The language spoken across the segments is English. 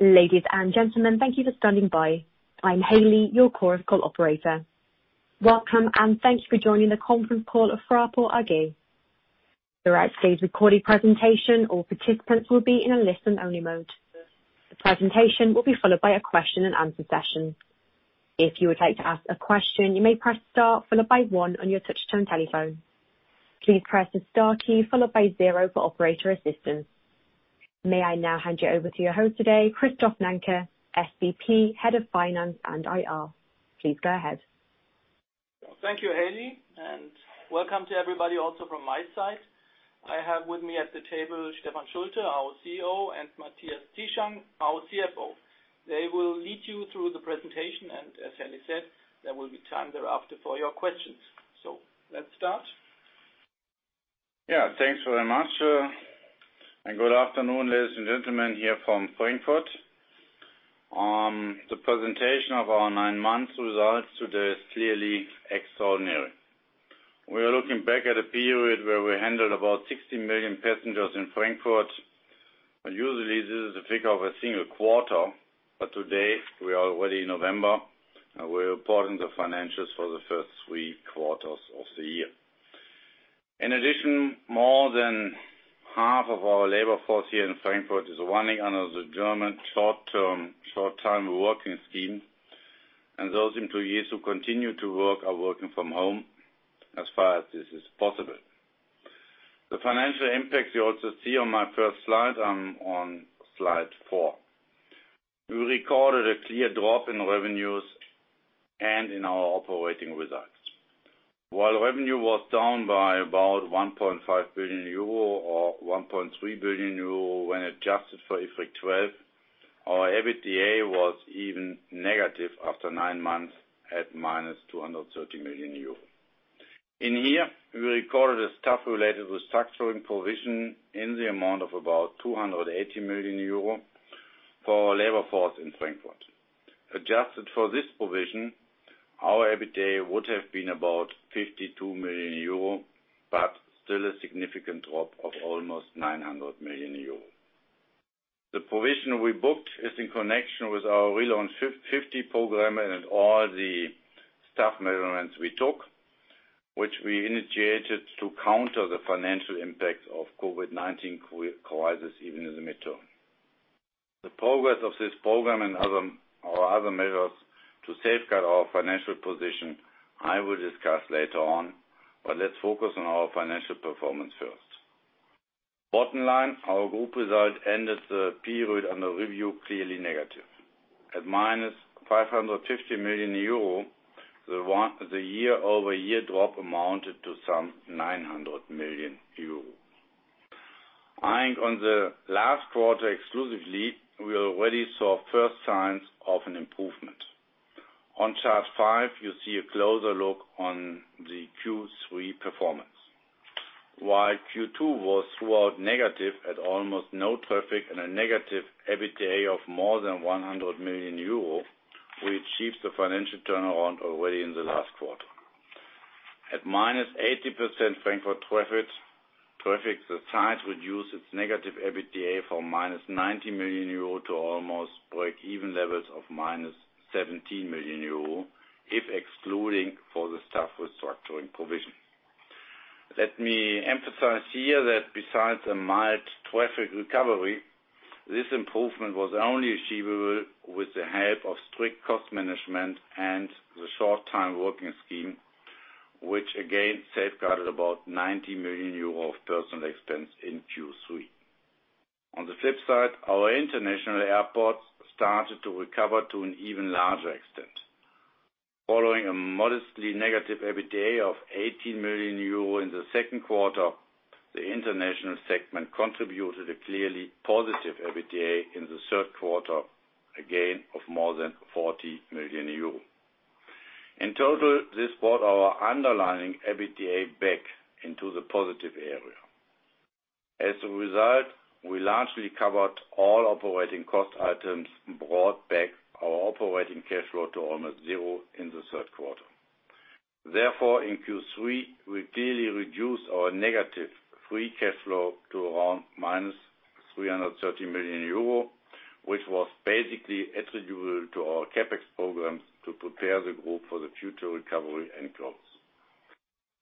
Ladies and gentlemen, thank you for standing by. I'm Hayley, your corporate operator. Welcome, and thank you for joining the conference call at Fraport AG. Throughout today's recorded presentation, all participants will be in a listen-only mode. The presentation will be followed by a question-and-answer session. If you would like to ask a question, you may press star followed by one on your touch-tone telephone. Please press the star key followed by zero for operator assistance. May I now hand you over to your host today, Christoph Nanke, SVP, Head of Finance and IR? Please go ahead. Thank you, Hayley, and welcome to everybody also from my side. I have with me at the table Stefan Schulte, our CEO, and Matthias Zieschang, our CFO. They will lead you through the presentation, and as Hayley said, there will be time thereafter for your questions. So let's start. Yeah, thanks very much, and good afternoon, ladies and gentlemen, here from Frankfurt. The presentation of our nine months results today is clearly extraordinary. We are looking back at a period where we handled about 60 million passengers in Frankfurt. Usually, this is the figure of a single quarter, but today we are already in November, and we're reporting the financials for the first three quarters of the year. In addition, more than half of our labor force here in Frankfurt is running under the German short-term working scheme, and those employees who continue to work are working from home as far as this is possible. The financial impact you also see on my first slide, I'm on slide four. We recorded a clear drop in revenues and in our operating results. While revenue was down by about 1.5 billion euro or 1.3 billion euro when adjusted for IFRIC 12, our EBITDA was even negative after nine months at - 230 million euro. In Q3, we recorded a staff-related restructuring provision in the amount of about 280 million euro for our labor force in Frankfurt. Adjusted for this provision, our EBITDA would have been about 52 million euro, but still a significant drop of almost 900 million euro. The provision we booked is in connection with our Relaunch 50 program and all the staff measures we took, which we initiated to counter the financial impacts of the COVID-19 crisis even in the medium term. The progress of this program and our other measures to safeguard our financial position, I will discuss later on, but let's focus on our financial performance first. Bottom line, our group result ended the period under review clearly negative. At - 550 million euro, the year-over-year drop amounted to some 900 million euro. Eyeing on the last quarter exclusively, we already saw first signs of an improvement. On chart five, you see a closer look on the Q3 performance. While Q2 was throughout negative at almost no traffic and a negative EBITDA of more than 100 million euro, we achieved the financial turnaround already in the last quarter. At - 80% Frankfurt traffic, the site reduced its negative EBITDA from - 90 million euro to almost break-even levels of - 17 million euro, if excluding for the staff restructuring provision. Let me emphasize here that besides a mild traffic recovery, this improvement was only achievable with the help of strict cost management and the short-time working scheme, which again safeguarded about 90 million euro of personal expense in Q3. On the flip side, our international airports started to recover to an even larger extent. Following a modestly negative EBITDA of 18 million euro in the second quarter, the international segment contributed a clearly positive EBITDA in the third quarter, again of more than 40 million euro. In total, this brought our underlying EBITDA back into the positive area. As a result, we largely covered all operating cost items and brought back our operating cash flow to almost zero in the third quarter. Therefore, in Q3, we clearly reduced our negative free cash flow to around -330 million euro, which was basically attributable to our CapEx programs to prepare the group for the future recovery and growth.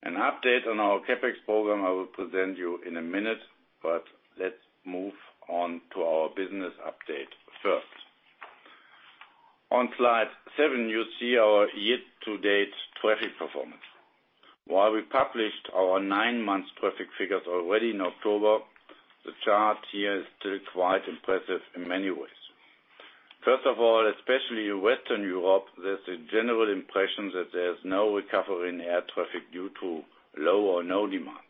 An update on our CapEx program I will present you in a minute, but let's move on to our business update first. On slide seven, you see our year-to-date traffic performance. While we published our nine-month traffic figures already in October, the chart here is still quite impressive in many ways. First of all, especially in Western Europe, there's a general impression that there's no recovery in air traffic due to low or no demand.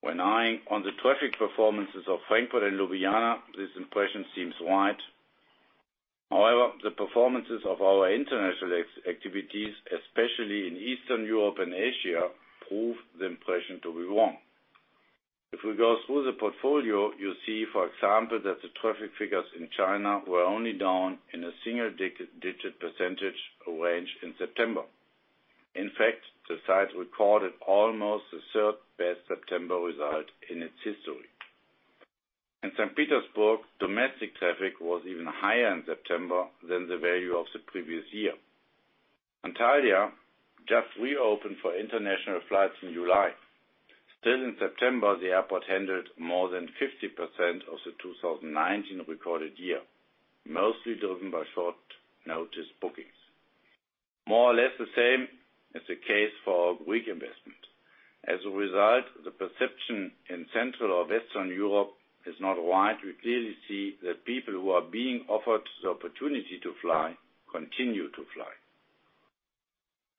When eyeing on the traffic performances of Frankfurt and Ljubljana, this impression seems right. However, the performances of our international activities, especially in Eastern Europe and Asia, prove the impression to be wrong. If we go through the portfolio, you see, for example, that the traffic figures in China were only down in a single-digit % range in September. In fact, the site recorded almost the third-best September result in its history. In St. Petersburg, domestic traffic was even higher in September than the value of the previous year. Antalya just reopened for international flights in July. Still in September, the airport handled more than 50% of the 2019 recorded year, mostly driven by short-notice bookings. More or less the same is the case for our Greek investment. As a result, the perception in Central or Western Europe is not right. We clearly see that people who are being offered the opportunity to fly continue to fly.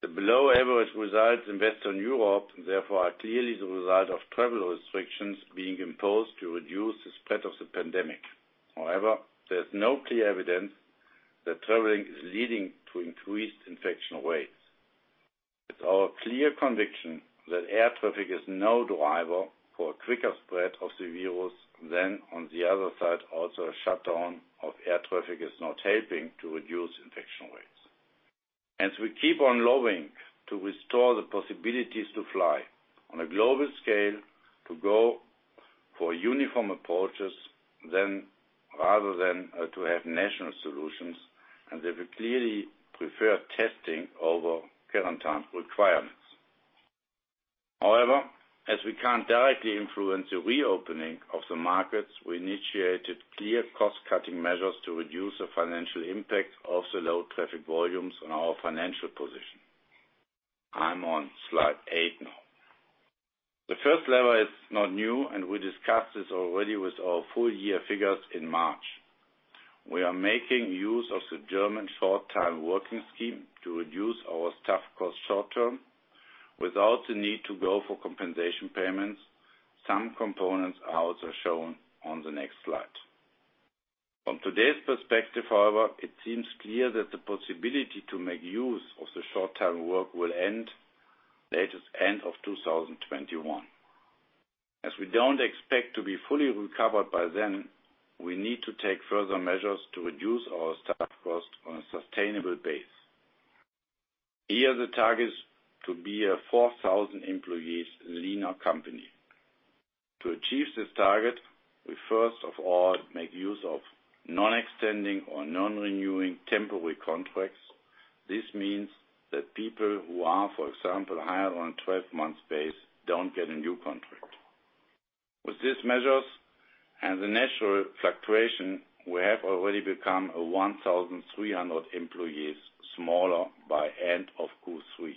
The below-average results in Western Europe, therefore, are clearly the result of travel restrictions being imposed to reduce the spread of the pandemic. However, there's no clear evidence that traveling is leading to increased infection rates. It's our clear conviction that air traffic is no driver for a quicker spread of the virus than, on the other side, also a shutdown of air traffic is not helping to reduce infection rates. As we keep on lobbying to restore the possibilities to fly on a global scale, to go for uniform approaches rather than to have national solutions, and they will clearly prefer testing over current requirements. However, as we can't directly influence the reopening of the markets, we initiated clear cost-cutting measures to reduce the financial impact of the low traffic volumes on our financial position. I'm on slide eight now. The first level is not new, and we discussed this already with our full-year figures in March. We are making use of the German short-time working scheme to reduce our staff costs short-term without the need to go for compensation payments. Some components are also shown on the next slide. From today's perspective, however, it seems clear that the possibility to make use of the short-term work will end at the latest by the end of 2021. As we don't expect to be fully recovered by then, we need to take further measures to reduce our staff costs on a sustainable basis. Here, the target is to be a 4,000-employee leaner company. To achieve this target, we first of all make use of non-extending or non-renewing temporary contracts. This means that people who are, for example, hired on a 12-month basis don't get a new contract. With these measures and the natural fluctuation, we have already become 1,300 employees smaller by end of Q3.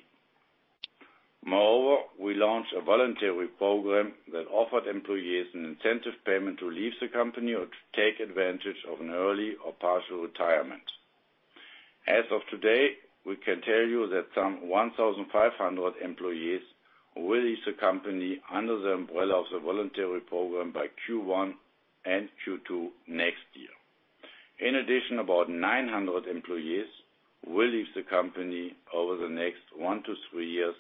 Moreover, we launched a voluntary program that offered employees an incentive payment to leave the company or to take advantage of an early or partial retirement. As of today, we can tell you that some 1,500 employees will leave the company under the umbrella of the voluntary program by Q1 and Q2 next year. In addition, about 900 employees will leave the company over the next one to three years,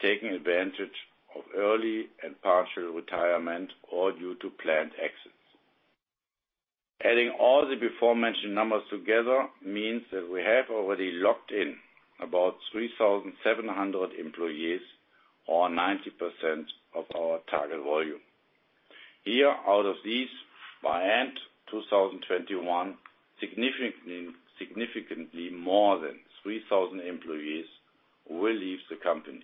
taking advantage of early and partial retirement or due to planned exits. Adding all the before-mentioned numbers together means that we have already locked in about 3,700 employees, or 90% of our target volume. Here, out of these, by end 2021, significantly more than 3,000 employees will leave the company.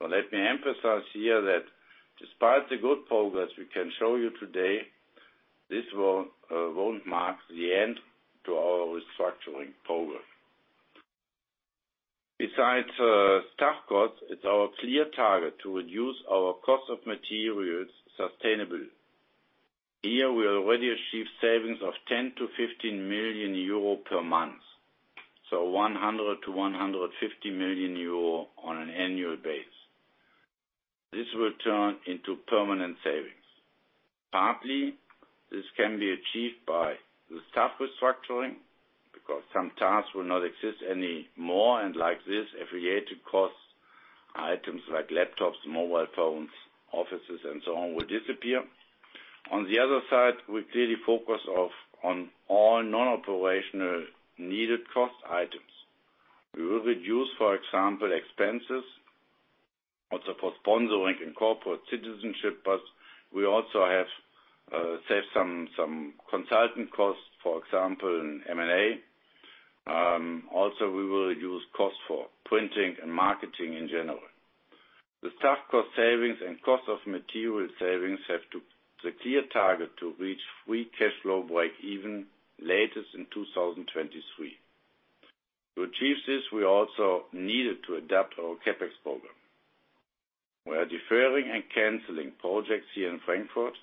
So let me emphasize here that despite the good progress we can show you today, this won't mark the end to our restructuring program. Besides staff costs, it's our clear target to reduce our cost of materials sustainably. Here, we already achieved savings of 10-15 million euro per month, so 100-150 million euro on an annual basis. This will turn into permanent savings. Partly, this can be achieved by the staff restructuring because some tasks will not exist anymore, and like this, affiliated cost items like laptops, mobile phones, offices, and so on will disappear. On the other side, we clearly focus on all non-operational needed cost items. We will reduce, for example, expenses also for sponsoring and corporate citizenship, but we also have saved some consultant costs, for example, M&A. Also, we will reduce costs for printing and marketing in general. The staff cost savings and cost of material savings have the clear target to reach free cash flow break-even latest in 2023. To achieve this, we also needed to adapt our CapEx program. We are deferring and canceling projects here in Frankfurt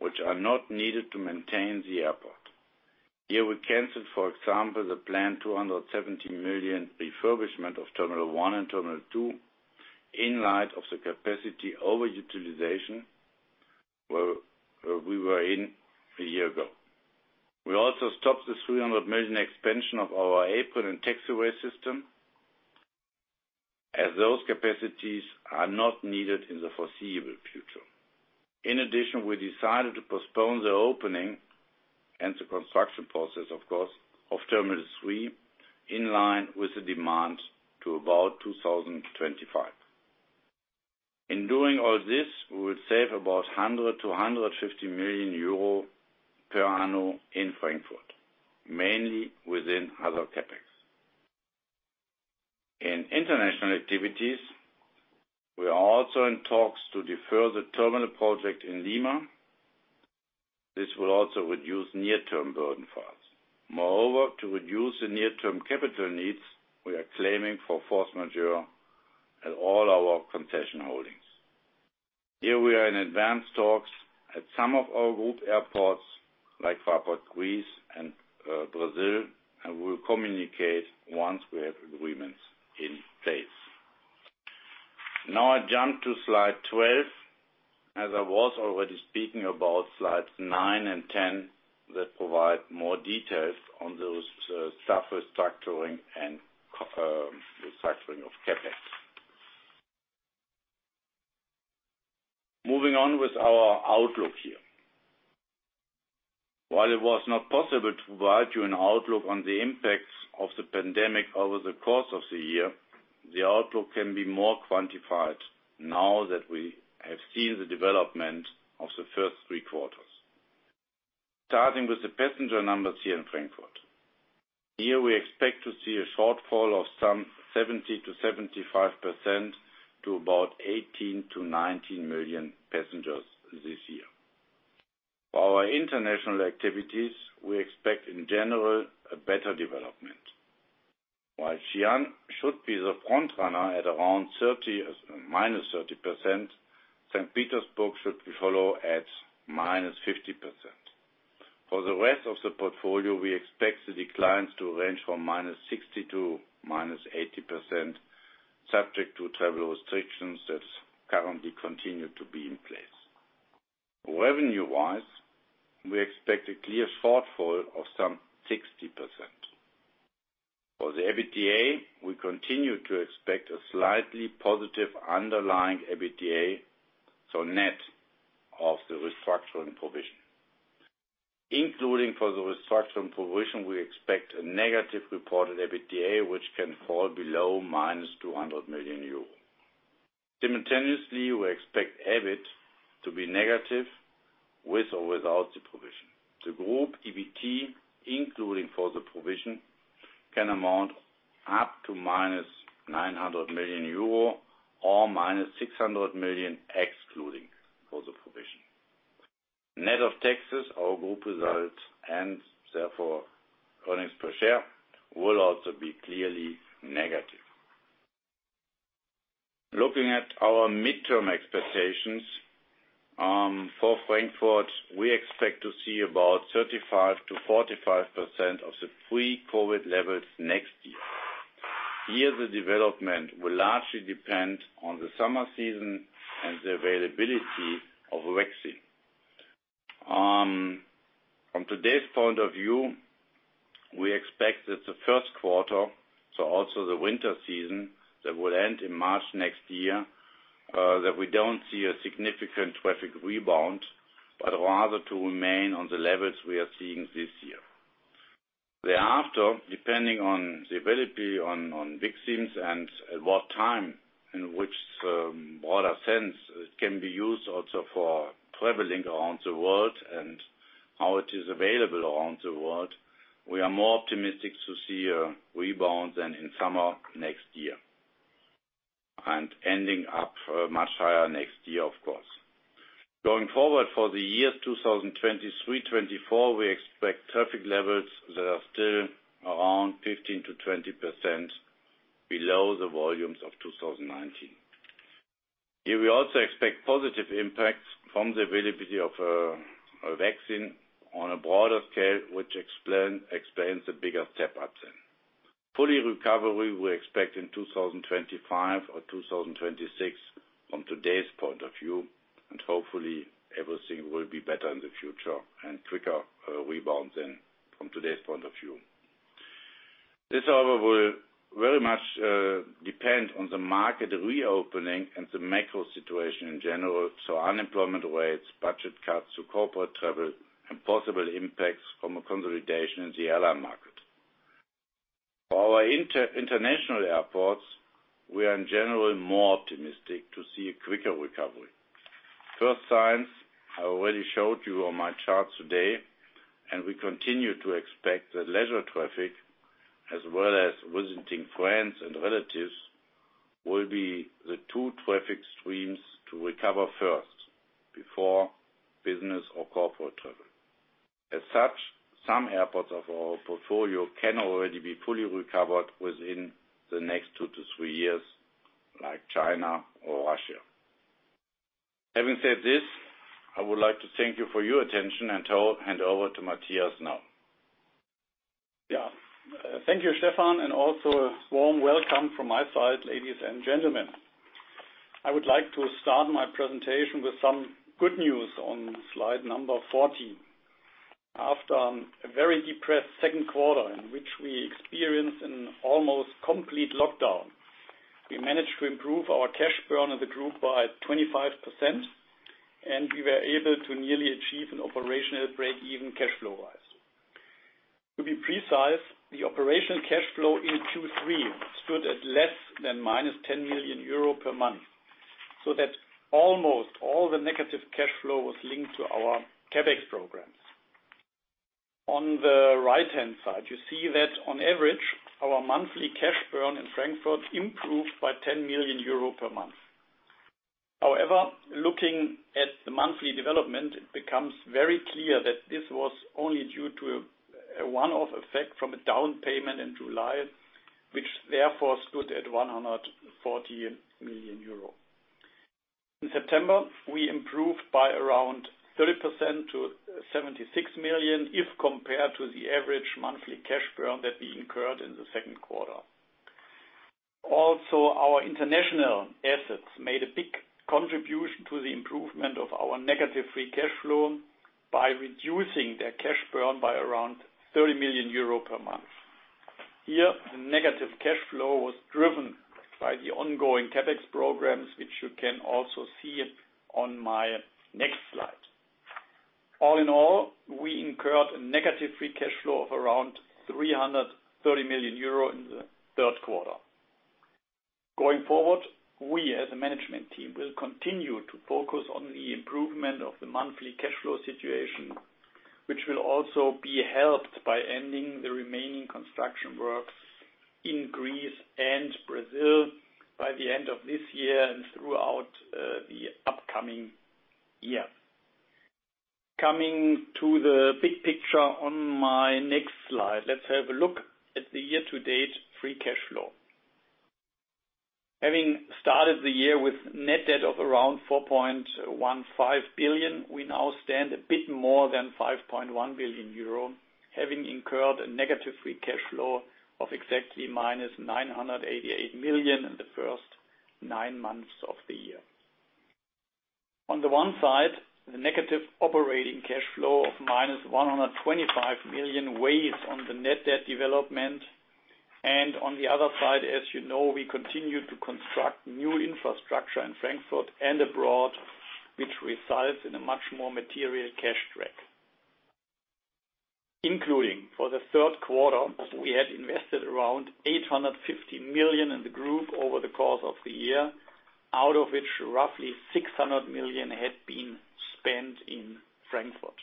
which are not needed to maintain the airport. Here, we canceled, for example, the planned 270 million refurbishment of Terminal One and Terminal Two in light of the capacity over-utilization where we were in a year ago. We also stopped the 300 million expansion of our airport and taxiway system as those capacities are not needed in the foreseeable future. In addition, we decided to postpone the opening and the construction process, of course, of Terminal Three in line with the demand to about 2025. In doing all this, we will save about 100 million-150 million euro per annum in Frankfurt, mainly within other CapEx. In international activities, we are also in talks to defer the terminal project in Lima. This will also reduce near-term burden for us. Moreover, to reduce the near-term capital needs, we are claiming for force majeure at all our concession holdings. Here, we are in advanced talks at some of our group airports like Fraport Greece and Brazil, and we will communicate once we have agreements in place. Now, I jump to slide 12, as I was already speaking about slides nine and 10 that provide more details on the staff restructuring and restructuring of CapEx. Moving on with our outlook here. While it was not possible to provide you an outlook on the impacts of the pandemic over the course of the year, the outlook can be more quantified now that we have seen the development of the first three quarters. Starting with the passenger numbers here in Frankfurt. Here, we expect to see a shortfall of some 70%-75% to about 18-19 million passengers this year. For our international activities, we expect in general a better development. While Xi'an should be the front runner at around - 30%, St. Petersburg should follow at - 50%. For the rest of the portfolio, we expect the declines to range from - 60% to - 80%, subject to travel restrictions that currently continue to be in place. Revenue-wise, we expect a clear shortfall of some 60%. For the EBITDA, we continue to expect a slightly positive underlying EBITDA, so net of the restructuring provision. Including for the restructuring provision, we expect a negative reported EBITDA, which can fall below - 200 million euro. Simultaneously, we expect EBIT to be negative with or without the provision. The group EBT, including for the provision, can amount up to - 900 million euro or - 600 million excluding for the provision. Net of taxes, our group result and therefore earnings per share will also be clearly negative. Looking at our midterm expectations, for Frankfurt, we expect to see about 35%-45% of the pre-COVID levels next year. Here, the development will largely depend on the summer season and the availability of vaccines. From today's point of view, we expect that the first quarter, so also the winter season that will end in March next year, that we don't see a significant traffic rebound, but rather to remain on the levels we are seeing this year. Thereafter, depending on the availability on vaccines and at what time, in which broader sense it can be used also for traveling around the world and how it is available around the world, we are more optimistic to see a rebound than in summer next year and ending up much higher next year, of course. Going forward for the year 2023-2024, we expect traffic levels that are still around 15%-20% below the volumes of 2019. Here, we also expect positive impacts from the availability of a vaccine on a broader scale, which explains the bigger step-up then. Full recovery, we expect in 2025 or 2026 from today's point of view, and hopefully, everything will be better in the future and quicker rebound than from today's point of view. This, however, will very much depend on the market reopening and the macro situation in general, so unemployment rates, budget cuts to corporate travel, and possible impacts from a consolidation in the airline market. For our international airports, we are in general more optimistic to see a quicker recovery. First signs, I already showed you on my chart today, and we continue to expect that leisure traffic, as well as visiting friends and relatives, will be the two traffic streams to recover first before business or corporate travel. As such, some airports of our portfolio can already be fully recovered within the next two to three years, like China or Russia. Having said this, I would like to thank you for your attention and hand over to Matthias now. Yeah. Thank you, Stefan, and also a warm welcome from my side, ladies and gentlemen. I would like to start my presentation with some good news on slide number 14. After a very depressed second quarter, in which we experienced an almost complete lockdown, we managed to improve our cash burn of the group by 25%, and we were able to nearly achieve an operational break-even cash flow rise. To be precise, the operational cash flow in Q3 stood at less than - 10 million euro per month, so that almost all the negative cash flow was linked to our CapEx programs. On the right-hand side, you see that on average, our monthly cash burn in Frankfurt improved by 10 million euro per month. However, looking at the monthly development, it becomes very clear that this was only due to a one-off effect from a down payment in July, which therefore stood at 140 million euro. In September, we improved by around 30% to 76 million if compared to the average monthly cash burn that we incurred in the second quarter. Also, our international assets made a big contribution to the improvement of our negative free cash flow by reducing their cash burn by around 30 million euro per month. Here, the negative cash flow was driven by the ongoing CapEx programs, which you can also see on my next slide. All in all, we incurred a negative free cash flow of around 330 million euro in the third quarter. Going forward, we as a management team will continue to focus on the improvement of the monthly cash flow situation, which will also be helped by ending the remaining construction works in Greece and Brazil by the end of this year and throughout the upcoming year. Coming to the big picture on my next slide, let's have a look at the year-to-date free cash flow. Having started the year with net debt of around 4.15 billion, we now stand a bit more than 5.1 billion euro, having incurred a negative free cash flow of exactly - 988 million in the first nine months of the year. On the one side, the negative operating cash flow of - 125 million weighs on the net debt development, and on the other side, as you know, we continue to construct new infrastructure in Frankfurt and abroad, which results in a much more material cash drag. Including for the third quarter, we had invested around 850 million in the group over the course of the year, out of which roughly 600 million had been spent in Frankfurt.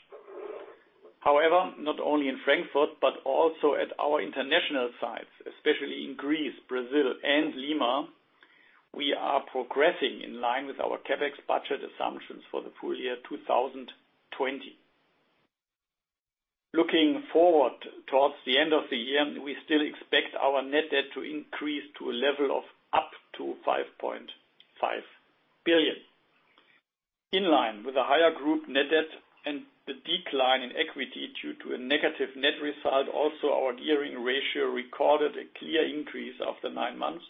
However, not only in Frankfurt but also at our international sites, especially in Greece, Brazil, and Lima, we are progressing in line with our CapEx budget assumptions for the full year 2020. Looking forward towards the end of the year, we still expect our net debt to increase to a level of up to 5.5 billion. In line with a higher group net debt and the decline in equity due to a negative net result, also our gearing ratio recorded a clear increase after nine months,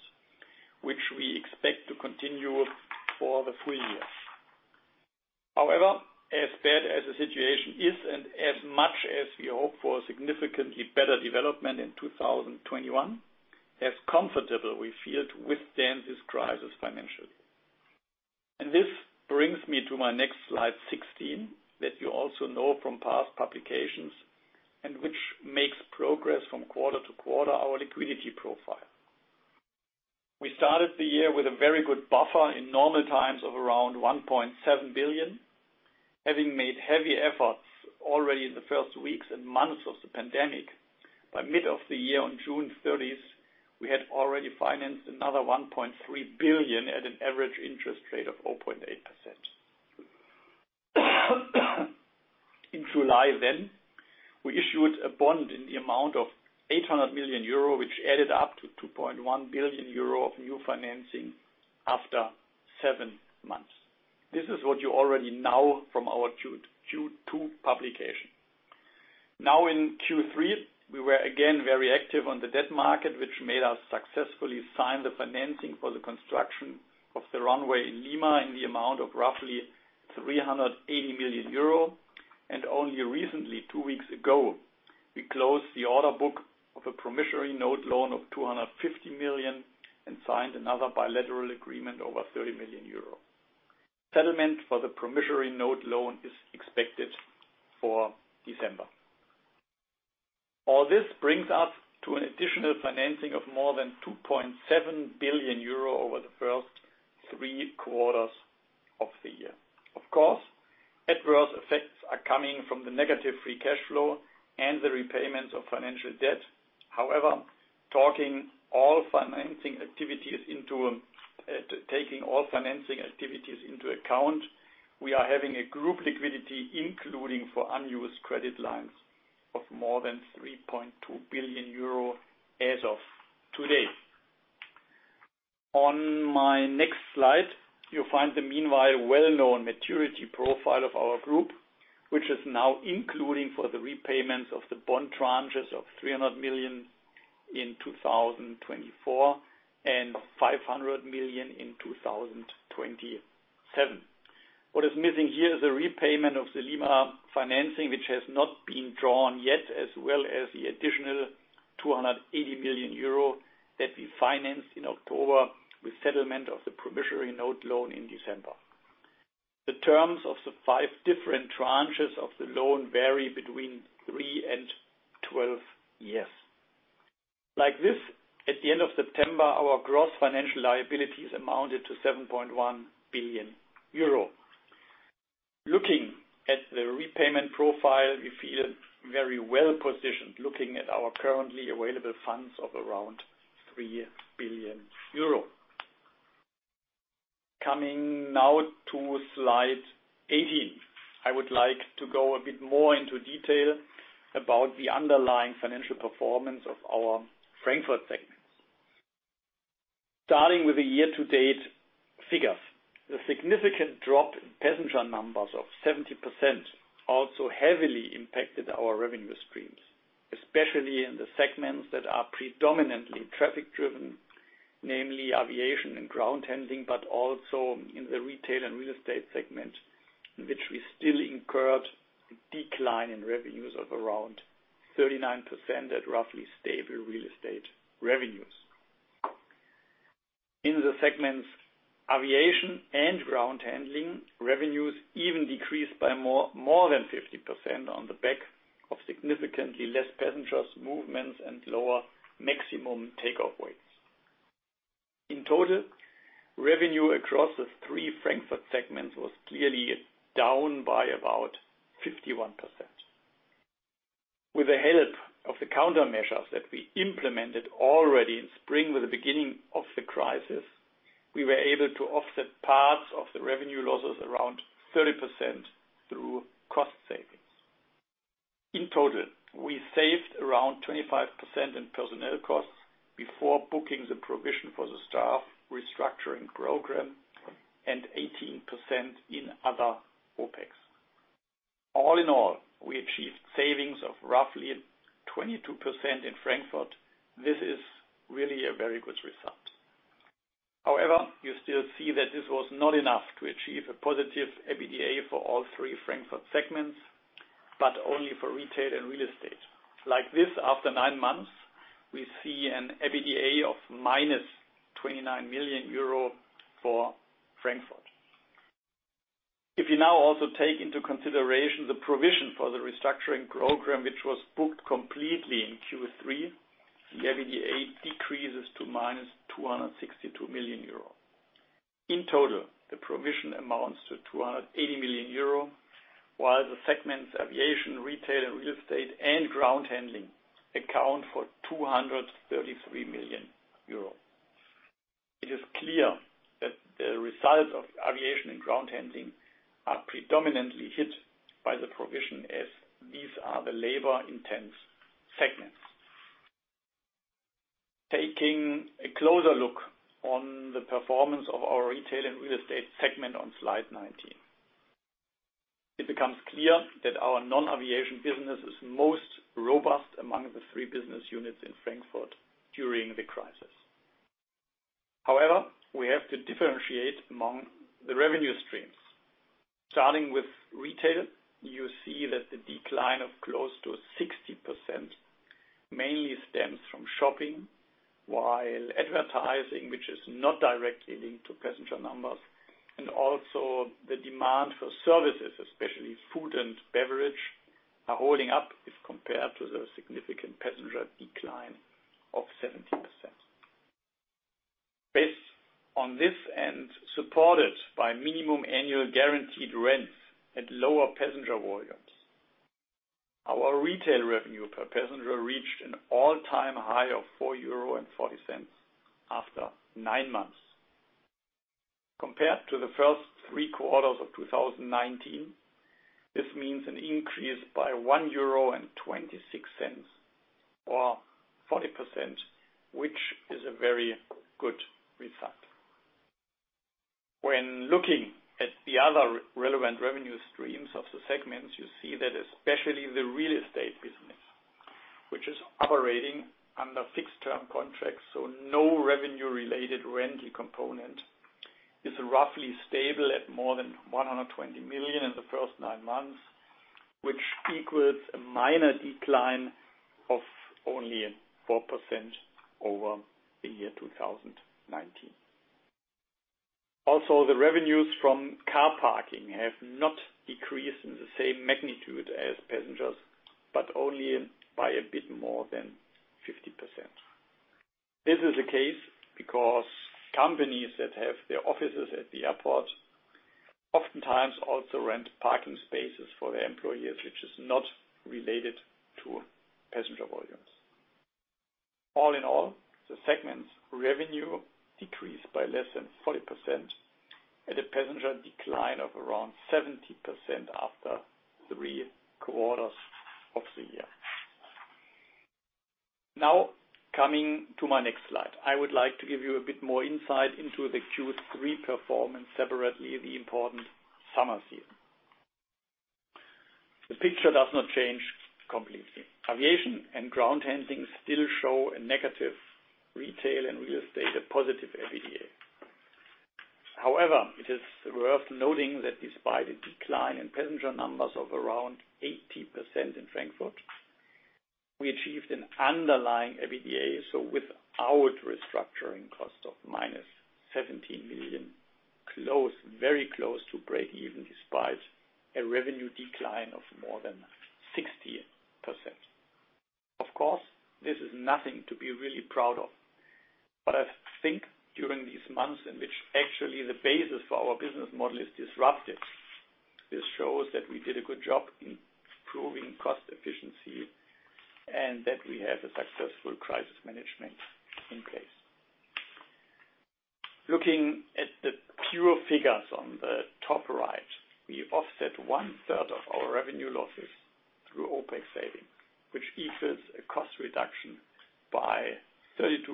which we expect to continue for the full year. However, as bad as the situation is and as much as we hope for significantly better development in 2021, as comfortable we feel to withstand this crisis financially. And this brings me to my next slide, 16, that you also know from past publications and which makes progress from quarter to quarter our liquidity profile. We started the year with a very good buffer in normal times of around 1.7 billion, having made heavy efforts already in the first weeks and months of the pandemic. By mid of the year, on June 30th, we had already financed another 1.3 billion at an average interest rate of 0.8%. In July then, we issued a bond in the amount of 800 million euro, which added up to 2.1 billion euro of new financing after seven months. This is what you already know from our Q2 publication. Now, in Q3, we were again very active on the debt market, which made us successfully sign the financing for the construction of the runway in Lima in the amount of roughly 380 million euro. Only recently, two weeks ago, we closed the order book of a promissory note loan of 250 million and signed another bilateral agreement over 30 million euro. Settlement for the promissory note loan is expected for December. All this brings us to an additional financing of more than 2.7 billion euro over the first three quarters of the year. Of course, adverse effects are coming from the negative free cash flow and the repayments of financial debt. However, taking all financing activities into account, we are having a group liquidity, including for unused credit lines of more than 3.2 billion euro as of today. On my next slide, you'll find the meanwhile well-known maturity profile of our group, which is now including for the repayments of the bond tranches of 300 million in 2024 and 500 million in 2027. What is missing here is a repayment of the Lima financing, which has not been drawn yet, as well as the additional 280 million euro that we financed in October with settlement of the promissory note loan in December. The terms of the five different tranches of the loan vary between three and 12 years. Like this, at the end of September, our gross financial liabilities amounted to 7.1 billion euro. Looking at the repayment profile, we feel very well positioned looking at our currently available funds of around 3 billion euro. Coming now to slide 18, I would like to go a bit more into detail about the underlying financial performance of our Frankfurt segments. Starting with the year-to-date figures, the significant drop in passenger numbers of 70% also heavily impacted our revenue streams, especially in the segments that are predominantly traffic-driven, namely aviation and ground handling, but also in the retail and real estate segment, in which we still incurred a decline in revenues of around 39% at roughly stable real estate revenues. In the segments aviation and ground handling, revenues even decreased by more than 50% on the back of significantly less passenger movements and lower maximum takeoff weights. In total, revenue across the three Frankfurt segments was clearly down by about 51%. With the help of the countermeasures that we implemented already in spring with the beginning of the crisis, we were able to offset parts of the revenue losses around 30% through cost savings. In total, we saved around 25% in personnel costs before booking the provision for the staff restructuring program and 18% in other OPEX. All in all, we achieved savings of roughly 22% in Frankfurt. This is really a very good result. However, you still see that this was not enough to achieve a positive EBITDA for all three Frankfurt segments, but only for retail and real estate. Like this, after nine months, we see an EBITDA of - 29 million EUR for Frankfurt. If you now also take into consideration the provision for the restructuring program, which was booked completely in Q3, the EBITDA decreases to - 262 million euro. In total, the provision amounts to 280 million euro, while the segments aviation, retail and real estate, and ground handling account for 233 million euros. It is clear that the results of aviation and ground handling are predominantly hit by the provision as these are the labor-intense segments. Taking a closer look on the performance of our retail and real estate segment on slide 19, it becomes clear that our non-aviation business is most robust among the three business units in Frankfurt during the crisis. However, we have to differentiate among the revenue streams. Starting with Retail, you see that the decline of close to 60% mainly stems from shopping, while Advertising, which is not directly linked to passenger numbers, and also the demand for services, especially food and beverage, are holding up if compared to the significant passenger decline of 70%. Based on this and supported by minimum annual guaranteed rents at lower passenger volumes, our retail revenue per passenger reached an all-time high of 4.40 euro after nine months. Compared to the first three quarters of 2019, this means an increase by 1.26 euro or 40%, which is a very good result. When looking at the other relevant revenue streams of the segments, you see that especially the Real Estate business, which is operating under fixed-term contracts, so no revenue-related rental component, is roughly stable at more than 120 million in the first nine months, which equals a minor decline of only 4% over the year 2019. Also, the revenues from car parking have not decreased in the same magnitude as passengers, but only by a bit more than 50%. This is the case because companies that have their offices at the airport oftentimes also rent parking spaces for their employees, which is not related to passenger volumes. All in all, the segments' revenue decreased by less than 40% at a passenger decline of around 70% after three quarters of the year. Now, coming to my next slide, I would like to give you a bit more insight into the Q3 performance separately in the important summer season. The picture does not change completely. Aviation and ground handling still show a negative retail and real estate positive EBITDA. However, it is worth noting that despite a decline in passenger numbers of around 80% in Frankfurt, we achieved an underlying EBITDA, so without restructuring cost of - 17 million, very close to breakeven despite a revenue decline of more than 60%. Of course, this is nothing to be really proud of, but I think during these months in which actually the basis for our business model is disrupted, this shows that we did a good job in proving cost efficiency and that we have a successful crisis management in place. Looking at the pure figures on the top right, we offset one-third of our revenue losses through OpEx savings, which equals a cost reduction by 32%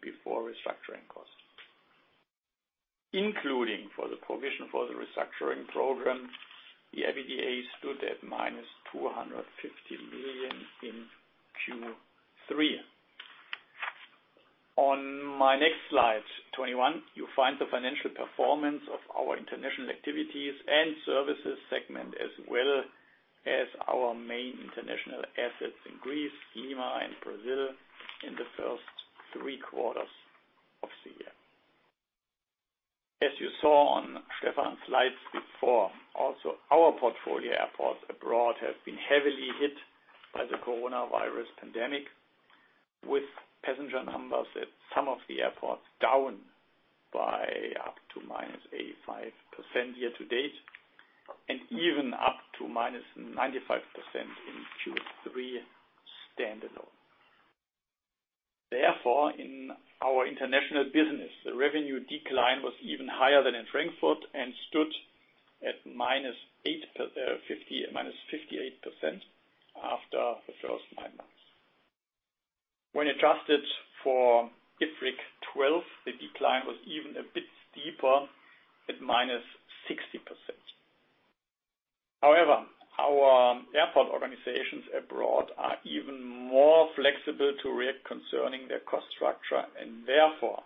before restructuring cost. Including for the provision for the restructuring program, the EBITDA stood at - 250 million in Q3. On my next slide 21, you find the financial performance of our international activities and services segment as well as our main international assets in Greece, Lima, and Brazil in the first three quarters of the year. As you saw on Stefan's slides before, also our portfolio airports abroad have been heavily hit by the coronavirus pandemic, with passenger numbers at some of the airports down by up to - 85% year-to-date and even up to - 95% in Q3 standalone. Therefore, in our international business, the revenue decline was even higher than in Frankfurt and stood at - 58% after the first nine months. When adjusted for IFRIC 12, the decline was even a bit steeper at - 60%. However, our airport organizations abroad are even more flexible to react concerning their cost structure, and therefore,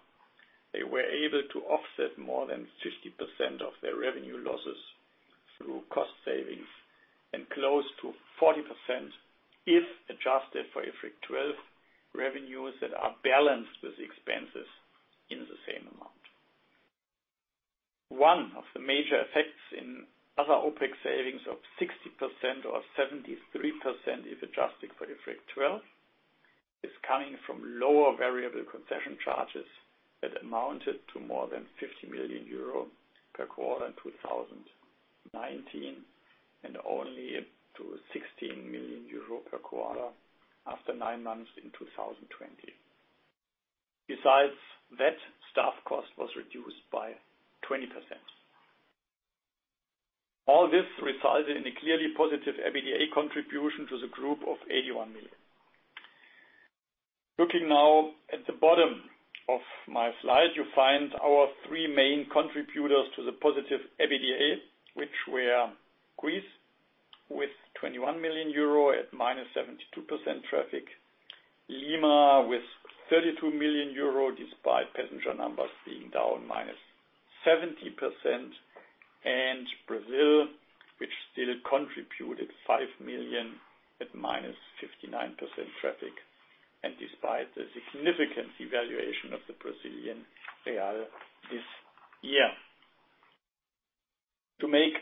they were able to offset more than 50% of their revenue losses through cost savings and close to 40% if adjusted for IFRIC 12 revenues that are balanced with expenses in the same amount. One of the major effects in other OPEX savings of 60% or 73% if adjusted for IFRIC 12 is coming from lower variable concession charges that amounted to more than 50 million euro per quarter in 2019 and only up to 16 million euro per quarter after nine months in 2020. Besides that, staff cost was reduced by 20%. All this resulted in a clearly positive EBITDA contribution to the group of 81 million. Looking now at the bottom of my slide, you find our three main contributors to the positive EBITDA, which were Greece with 21 million euro at - 72% traffic, Lima with 32 million euro despite passenger numbers being down - 70%, and Brazil, which still contributed 5 million at - 59% traffic and despite the significant devaluation of the Brazilian real this year. To make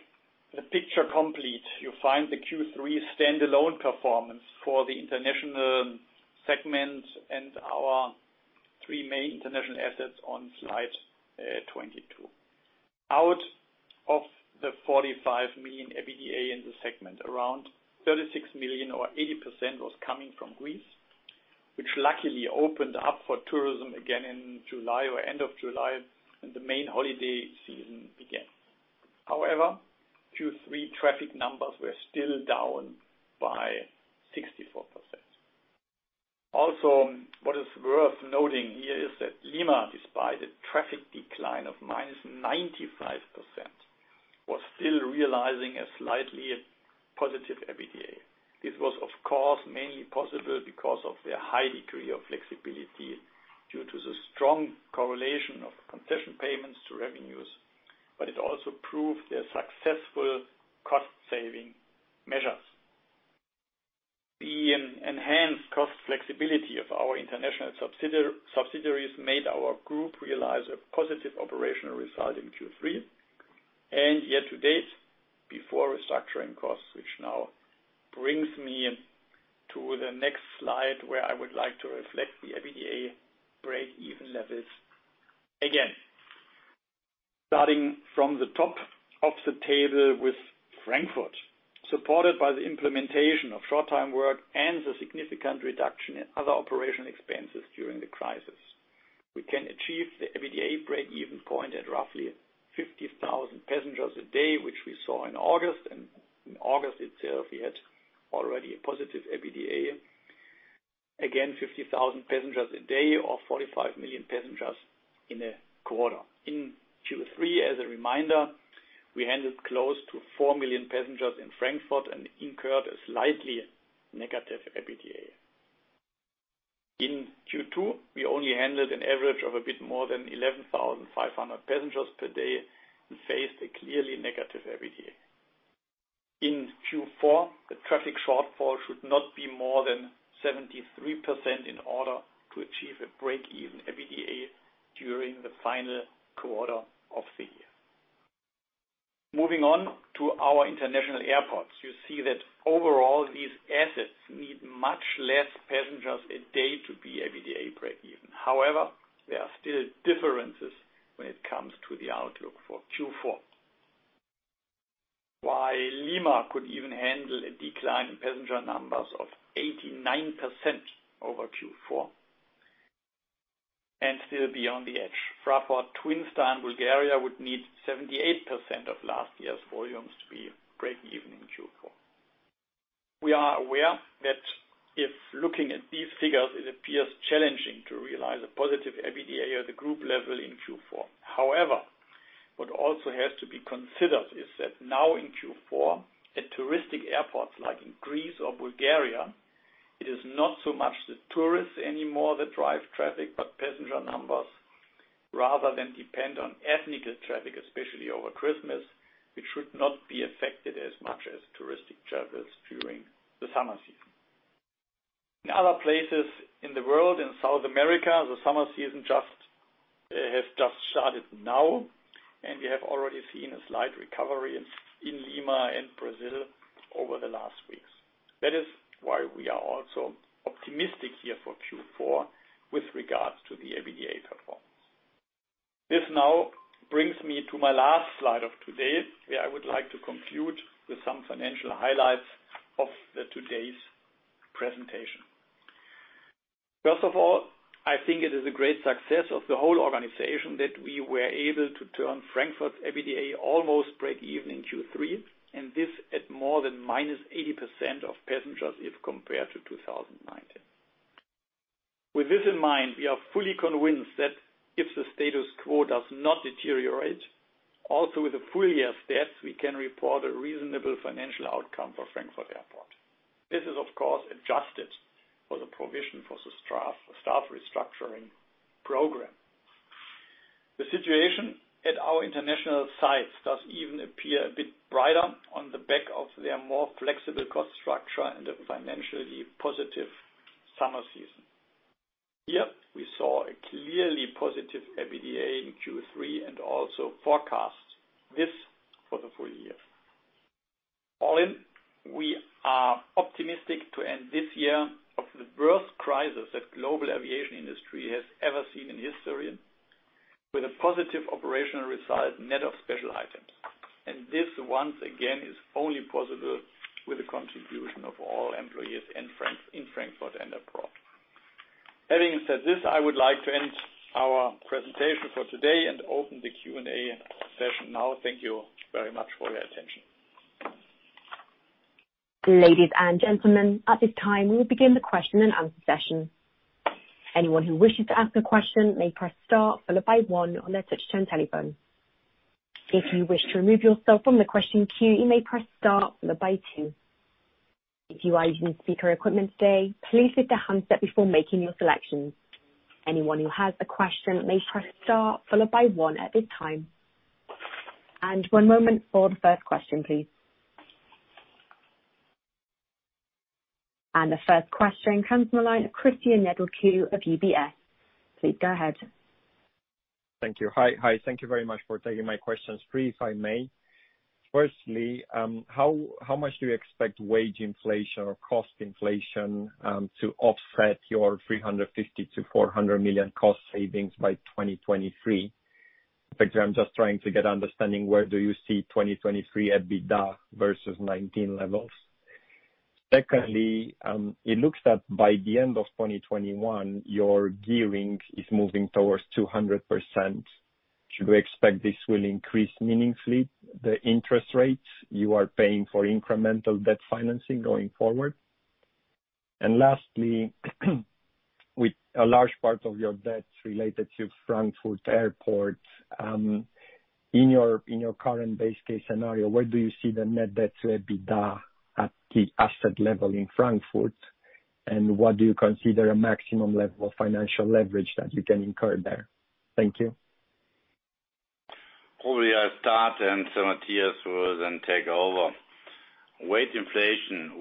the picture complete, you find the Q3 standalone performance for the international segment and our three main international assets on slide 22. Out of the 45 million EBITDA in the segment, around 36 million or 80% was coming from Greece, which luckily opened up for tourism again in July or end of July when the main holiday season began. However, Q3 traffic numbers were still down by 64%. Also, what is worth noting here is that Lima, despite a traffic decline of - 95%, was still realizing a slightly positive EBITDA. This was, of course, mainly possible because of their high degree of flexibility due to the strong correlation of concession payments to revenues, but it also proved their successful cost-saving measures. The enhanced cost flexibility of our international subsidiaries made our group realize a positive operational result in Q3 and year-to-date before restructuring costs, which now brings me to the next slide where I would like to reflect the EBITDA break-even levels again. Starting from the top of the table with Frankfurt, supported by the implementation of short-time work and the significant reduction in other operational expenses during the crisis, we can achieve the EBITDA break-even point at roughly 50,000 passengers a day, which we saw in August. In August itself, we had already a positive EBITDA. Again, 50,000 passengers a day or 45 million passengers in a quarter. In Q3, as a reminder, we handled close to 4 million passengers in Frankfurt and incurred a slightly negative EBITDA. In Q2, we only handled an average of a bit more than 11,500 passengers per day and faced a clearly negative EBITDA. In Q4, the traffic shortfall should not be more than 73% in order to achieve a break-even EBITDA during the final quarter of the year. Moving on to our international airports, you see that overall, these assets need much less passengers a day to be EBITDA break-even. However, there are still differences when it comes to the outlook for Q4. While Lima could even handle a decline in passenger numbers of 89% over Q4 and still be on the edge, Fraport Twin Star and Bulgaria would need 78% of last year's volumes to be break-even in Q4. We are aware that if looking at these figures, it appears challenging to realize a positive EBITDA at the group level in Q4. However, what also has to be considered is that now in Q4, at touristic airports like in Greece or Bulgaria, it is not so much the tourists anymore that drive traffic, but passenger numbers, rather than depend on ethnic traffic, especially over Christmas, which should not be affected as much as touristic travels during the summer season. In other places in the world, in South America, the summer season has just started now, and we have already seen a slight recovery in Lima and Brazil over the last weeks. That is why we are also optimistic here for Q4 with regards to the EBITDA performance. This now brings me to my last slide of today, where I would like to conclude with some financial highlights of today's presentation. First of all, I think it is a great success of the whole organization that we were able to turn Frankfurt's EBITDA almost break-even in Q3, and this at more than - 80% of passengers if compared to 2019. With this in mind, we are fully convinced that if the status quo does not deteriorate, also with the full year stats, we can report a reasonable financial outcome for Frankfurt Airport. This is, of course, adjusted for the provision for the staff restructuring program. The situation at our international sites does even appear a bit brighter on the back of their more flexible cost structure and a financially positive summer season. Here, we saw a clearly positive EBITDA in Q3 and also forecast this for the full year. All in, we are optimistic to end this year of the worst crisis that the global aviation industry has ever seen in history, with a positive operational result net of special items, and this once again is only possible with the contribution of all employees in Frankfurt and abroad. Having said this, I would like to end our presentation for today and open the Q&A session now. Thank you very much for your attention. Ladies and gentlemen, at this time, we will begin the question and answer session. Anyone who wishes to ask a question may press star followed by one on their touch-tone telephone. If you wish to remove yourself from the question queue, you may press star followed by two. If you are using speaker equipment today, please lift your handset before making your selections. Anyone who has a question may press star followed by one at this time. One moment for the first question, please. The first question comes from the line of Christian Nedelcu of UBS. Please go ahead. Thank you. Hi, thank you very much for taking my questions. Briefly, if I may. Firstly, how much do you expect wage inflation or cost inflation to offset your 350 million-400 million cost savings by 2023? In fact, I'm just trying to get understanding where do you see 2023 EBITDA versus 2019 levels? Secondly, it looks that by the end of 2021, your gearing is moving towards 200%. Should we expect this will increase meaningfully? The interest rates you are paying for incremental debt financing going forward? Lastly, with a large part of your debt related to Frankfurt Airport, in your current base case scenario, where do you see the net debt to EBITDA at the asset level in Frankfurt? What do you consider a maximum level of financial leverage that you can incur there? Thank you. Probably I'll start and then Matthias will then take over. Wage inflation.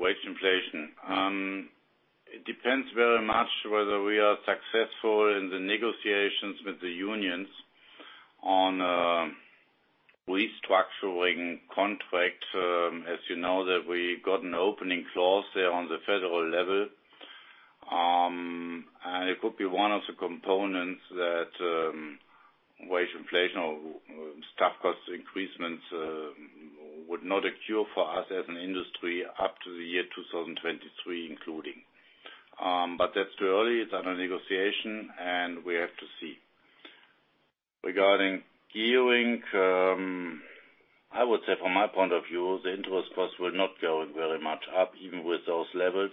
It depends very much whether we are successful in the negotiations with the unions on restructuring contracts. As you know, we got an opening clause there on the federal level. It could be one of the components that wage inflation or staff cost increases would not occur for us as an industry up to the year 2023 including. That's too early. It's under negotiation, and we have to see. Regarding gearing, I would say from my point of view, the interest cost will not go very much up even with those levels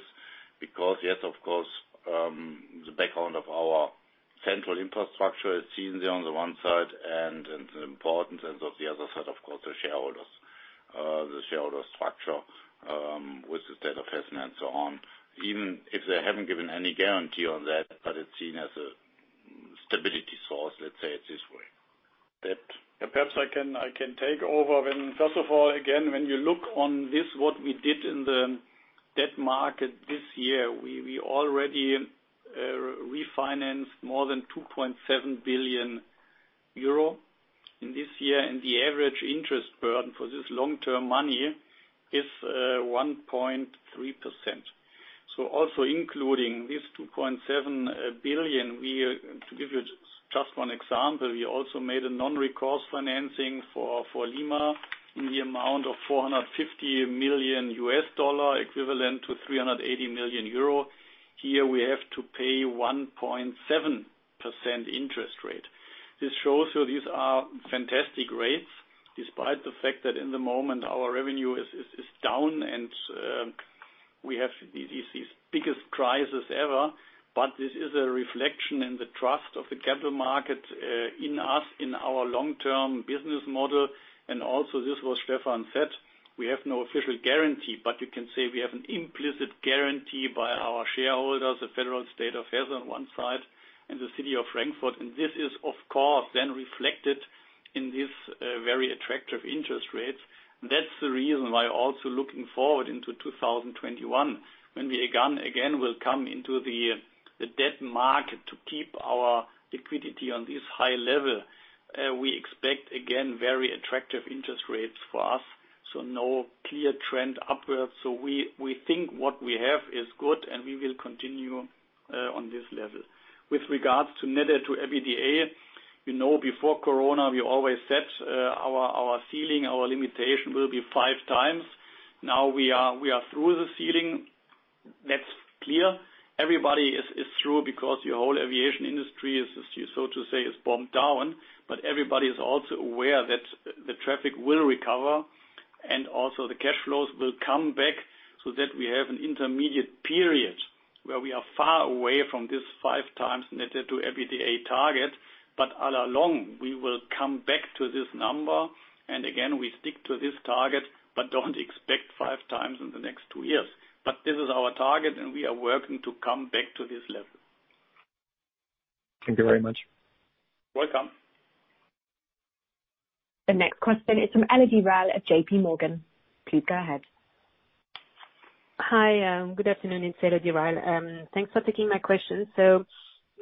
because, yes, of course, the background of our central infrastructure is seen there on the one side and the importance, and on the other side, of course, the shareholders, the shareholder structure with the state of Hesse and so on. Even if they haven't given any guarantee on that, but it's seen as a stability source, let's say it this way. Stefan. Perhaps I can take over. First of all, again, when you look on this, what we did in the debt market this year, we already refinanced more than 2.7 billion euro in this year, and the average interest burden for this long-term money is 1.3%. So also including this 2.7 billion, to give you just one example, we also made a non-recourse financing for Lima in the amount of $450 million equivalent to 380 million euro. Here, we have to pay 1.7% interest rate. This shows you these are fantastic rates despite the fact that at the moment our revenue is down and we have these biggest crises ever, but this is a reflection in the trust of the capital market in us, in our long-term business model. And also, as Stefan said, we have no official guarantee, but you can say we have an implicit guarantee by our shareholders, the federal state of Hesse on one side, and the city of Frankfurt. And this is, of course, then reflected in these very attractive interest rates. That's the reason why also looking forward into 2021, when we again will come into the debt market to keep our liquidity on this high level, we expect again very attractive interest rates for us. So no clear trend upward. So we think what we have is good, and we will continue on this level. With regards to net debt to EBITDA, you know before Corona, we always said our ceiling, our limitation will be five times. Now we are through the ceiling. That's clear. Everybody is through because the whole aviation industry, so to say, is bogged down, but everybody is also aware that the traffic will recover and also the cash flows will come back so that we have an intermediate period where we are far away from this five times net debt to EBITDA target, but a la longue, we will come back to this number. Again, we stick to this target, but don't expect five times in the next two years. But this is our target, and we are working to come back to this level. Thank you very much. You're welcome. The next question is from Elodie Rall at JPMorgan. Please go ahead. Hi, good afternoon, it's Elodie Rall. Thanks for taking my question. So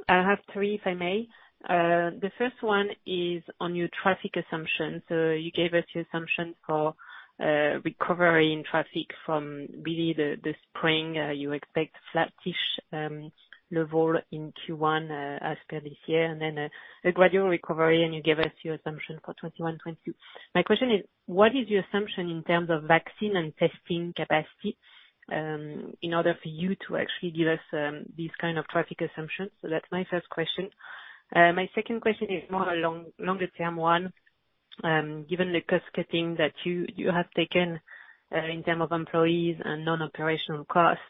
I have three, if I may. The first one is on your traffic assumptions. So you gave us your assumptions for recovery in traffic from really the spring. You expect flatish level in Q1 as per this year and then a gradual recovery, and you gave us your assumption for 2021, 2022. My question is, what is your assumption in terms of vaccine and testing capacity in order for you to actually give us these kind of traffic assumptions? So that's my first question. My second question is more a longer-term one. Given the cost-cutting that you have taken in terms of employees and non-operational cost,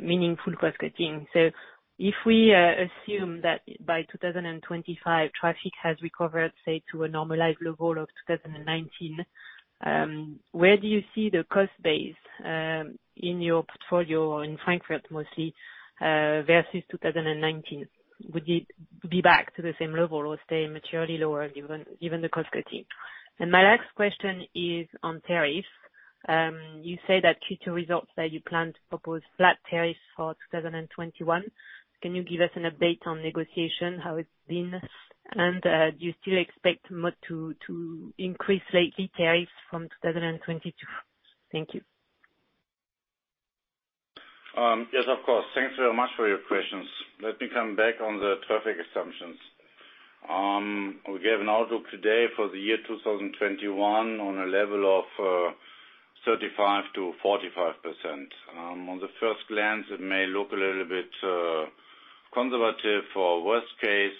meaningful cost-cutting. So if we assume that by 2025, traffic has recovered, say, to a normalized level of 2019, where do you see the cost base in your portfolio in Frankfurt mostly versus 2019? Would it be back to the same level or stay materially lower given the cost-cutting? And my last question is on tariffs. You say that future results that you plan to propose flat tariffs for 2021. Can you give us an update on negotiation, how it's been, and do you still expect to increase landing tariffs from 2022? Thank you. Yes, of course. Thanks very much for your questions. Let me come back on the traffic assumptions. We gave an outlook today for the year 2021 on a level of 35%-45%. On the first glance, it may look a little bit conservative for worst case,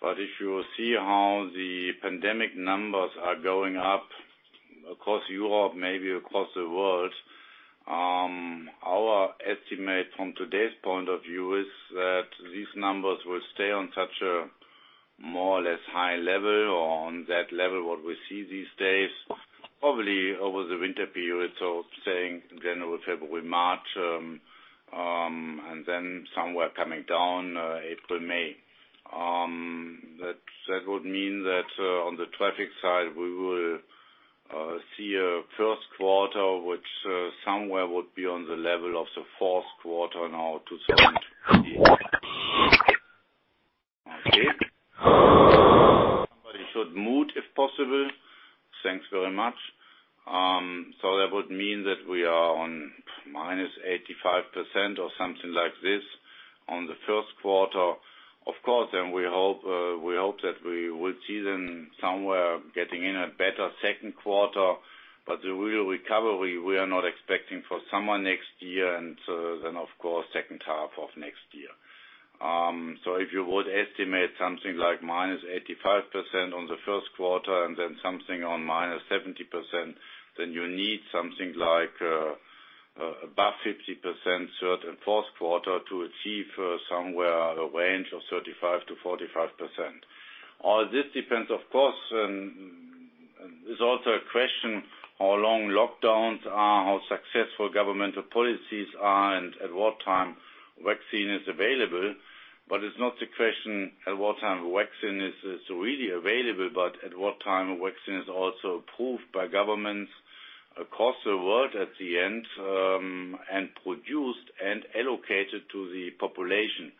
but if you see how the pandemic numbers are going up across Europe, maybe across the world, our estimate from today's point of view is that these numbers will stay on such a more or less high level or on that level what we see these days, probably over the winter period, so saying January-February-March, and then somewhere coming down April-May. That would mean that on the traffic side, we will see a first quarter, which somewhere would be on the level of the fourth quarter now. Okay. Somebody should mute if possible. Thanks very much. So that would mean that we are on - 85% or something like this on the first quarter. Of course, then we hope that we will see them somewhere getting in a better second quarter, but the real recovery we are not expecting for summer next year and then, of course, second half of next year. So if you would estimate something like - 85% on the first quarter and then something on - 70%, then you need something like above 50% third and fourth quarter to achieve somewhere a range of 35%-45%. All this depends, of course, and it's also a question how long lockdowns are, how successful governmental policies are, and at what time vaccine is available. But it's not the question at what time vaccine is really available, but at what time vaccine is also approved by governments across the world at the end and produced and allocated to the population.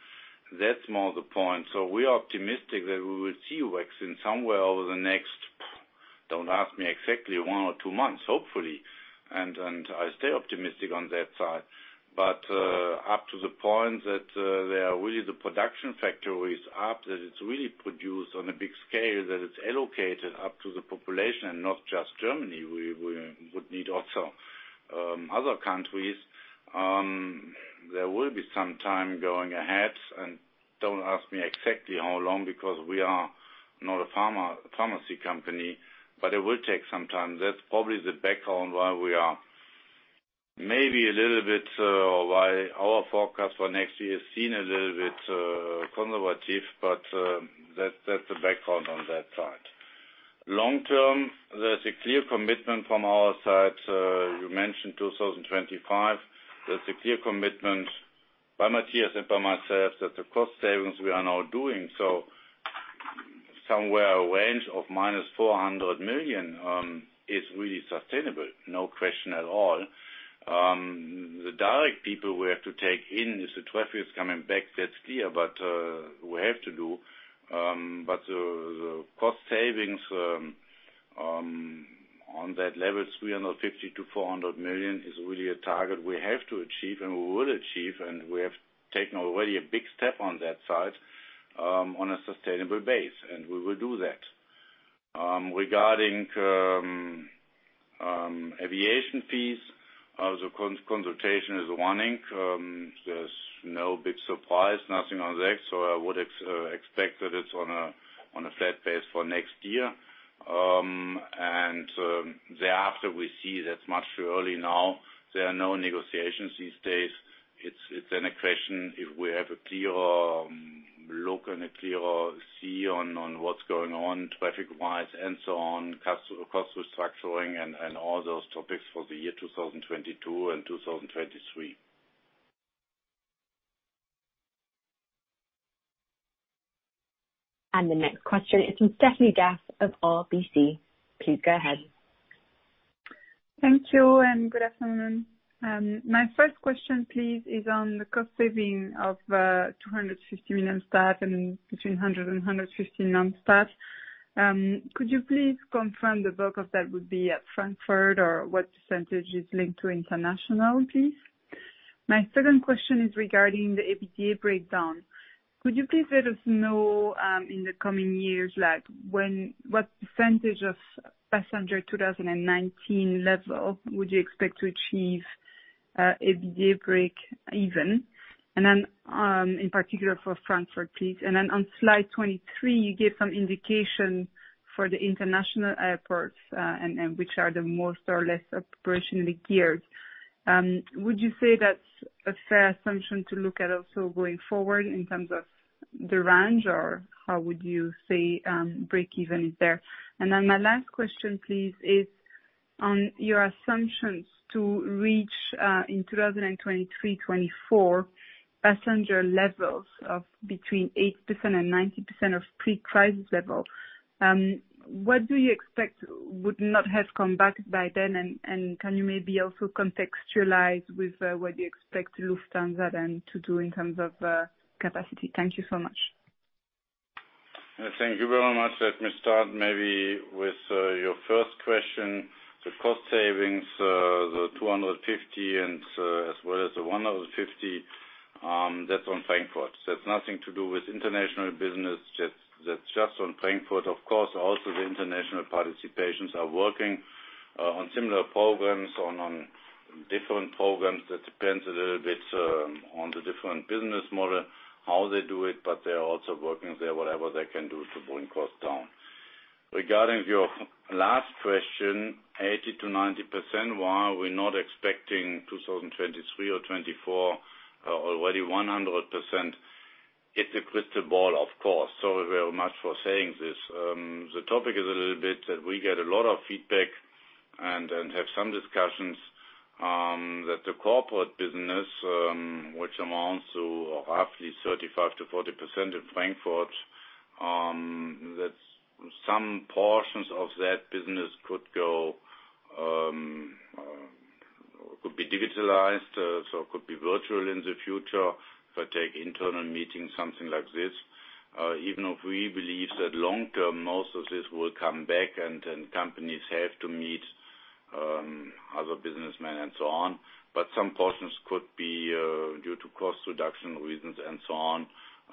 That's more the point. So we are optimistic that we will see vaccine somewhere over the next, don't ask me exactly, one or two months, hopefully. And I stay optimistic on that side. But up to the point that they are really the production factories up, that it's really produced on a big scale, that it's allocated up to the population and not just Germany. We would need also other countries. There will be some time going ahead, and don't ask me exactly how long because we are not a pharmacy company, but it will take some time. That's probably the background why we are maybe a little bit why our forecast for next year is seen a little bit conservative, but that's the background on that side. Long-term, there's a clear commitment from our side. You mentioned 2025. There's a clear commitment by Matthias and by myself that the cost savings we are now doing, so somewhere a range of - 400 million is really sustainable, no question at all. The direct people we have to take in if the traffic is coming back, that's clear, but we have to do. But the cost savings on that level, 350 million-400 million, is really a target we have to achieve and we will achieve, and we have taken already a big step on that side on a sustainable base, and we will do that. Regarding aviation fees, the consultation is running. There's no big surprise, nothing on that. So I would expect that it's on a flat base for next year, and thereafter, we see that's much too early now. There are no negotiations these days. It's then a question if we have a clearer look and a clearer view on what's going on traffic-wise and so on, cost restructuring and all those topics for the year 2022 and 2023. The next question is from Stéphanie D'Ath of RBC. Please go ahead. Thank you and good afternoon. My first question, please, is on the cost saving of 250 million staff and between 100 and 150 non-staff. Could you please confirm the bulk of that would be at Frankfurt or what percentage is linked to international, please? My second question is regarding the EBITDA breakdown. Could you please let us know in the coming years what percentage of passenger 2019 level would you expect to achieve EBITDA break even? Then in particular for Frankfurt, please. And then on slide 23, you gave some indication for the international airports and which are the most or less operationally geared. Would you say that's a fair assumption to look at also going forward in terms of the range or how would you say breakeven is there? And then my last question, please, is on your assumptions to reach in 2023, 2024, passenger levels of between 8% and 90% of pre-crisis level. What do you expect would not have come back by then? And can you maybe also contextualize with what you expect Lufthansa then to do in terms of capacity? Thank you so much. Thank you very much. Let me start maybe with your first question. The cost savings, the 250 and as well as the 150, that's on Frankfurt. That's nothing to do with international business. That's just on Frankfurt. Of course, also the international participations are working on similar programs, on different programs. That depends a little bit on the different business model, how they do it, but they are also working there whatever they can do to bring cost down. Regarding your last question, 80%-90%, why are we not expecting 2023 or 2024 already 100%? It's a crystal ball, of course. Sorry very much for saying this. The topic is a little bit that we get a lot of feedback and have some discussions that the corporate business, which amounts to roughly 35%-40% in Frankfurt, that some portions of that business could be digitalized, so could be virtual in the future if I take internal meetings, something like this. Even if we believe that long-term, most of this will come back and companies have to meet other businessmen and so on, but some portions could be due to cost reduction reasons and so on,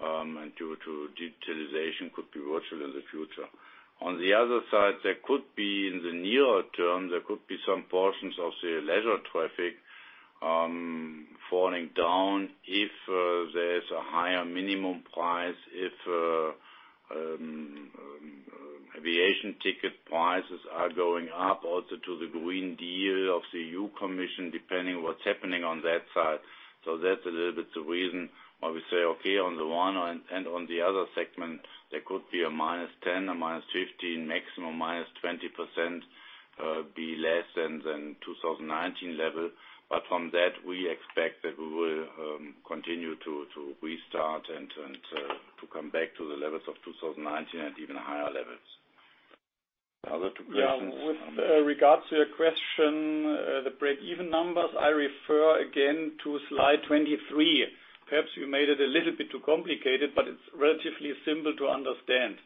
and due to digitalization could be virtual in the future. On the other side, there could be in the nearer term, there could be some portions of the leisure traffic falling down if there's a higher minimum price, if aviation ticket prices are going up, also to the Green Deal of the EU Commission, depending on what's happening on that side. That's a little bit the reason why we say, okay, on the one end, on the other segment, there could be a - 10%, a - 15%, maximum - 20%, be less than 2019 level. But from that, we expect that we will continue to restart and to come back to the levels of 2019 at even higher levels. The other two questions. With regards to your question, the break-even numbers, I refer again to slide 23. Perhaps you made it a little bit too complicated, but it's relatively simple to understand.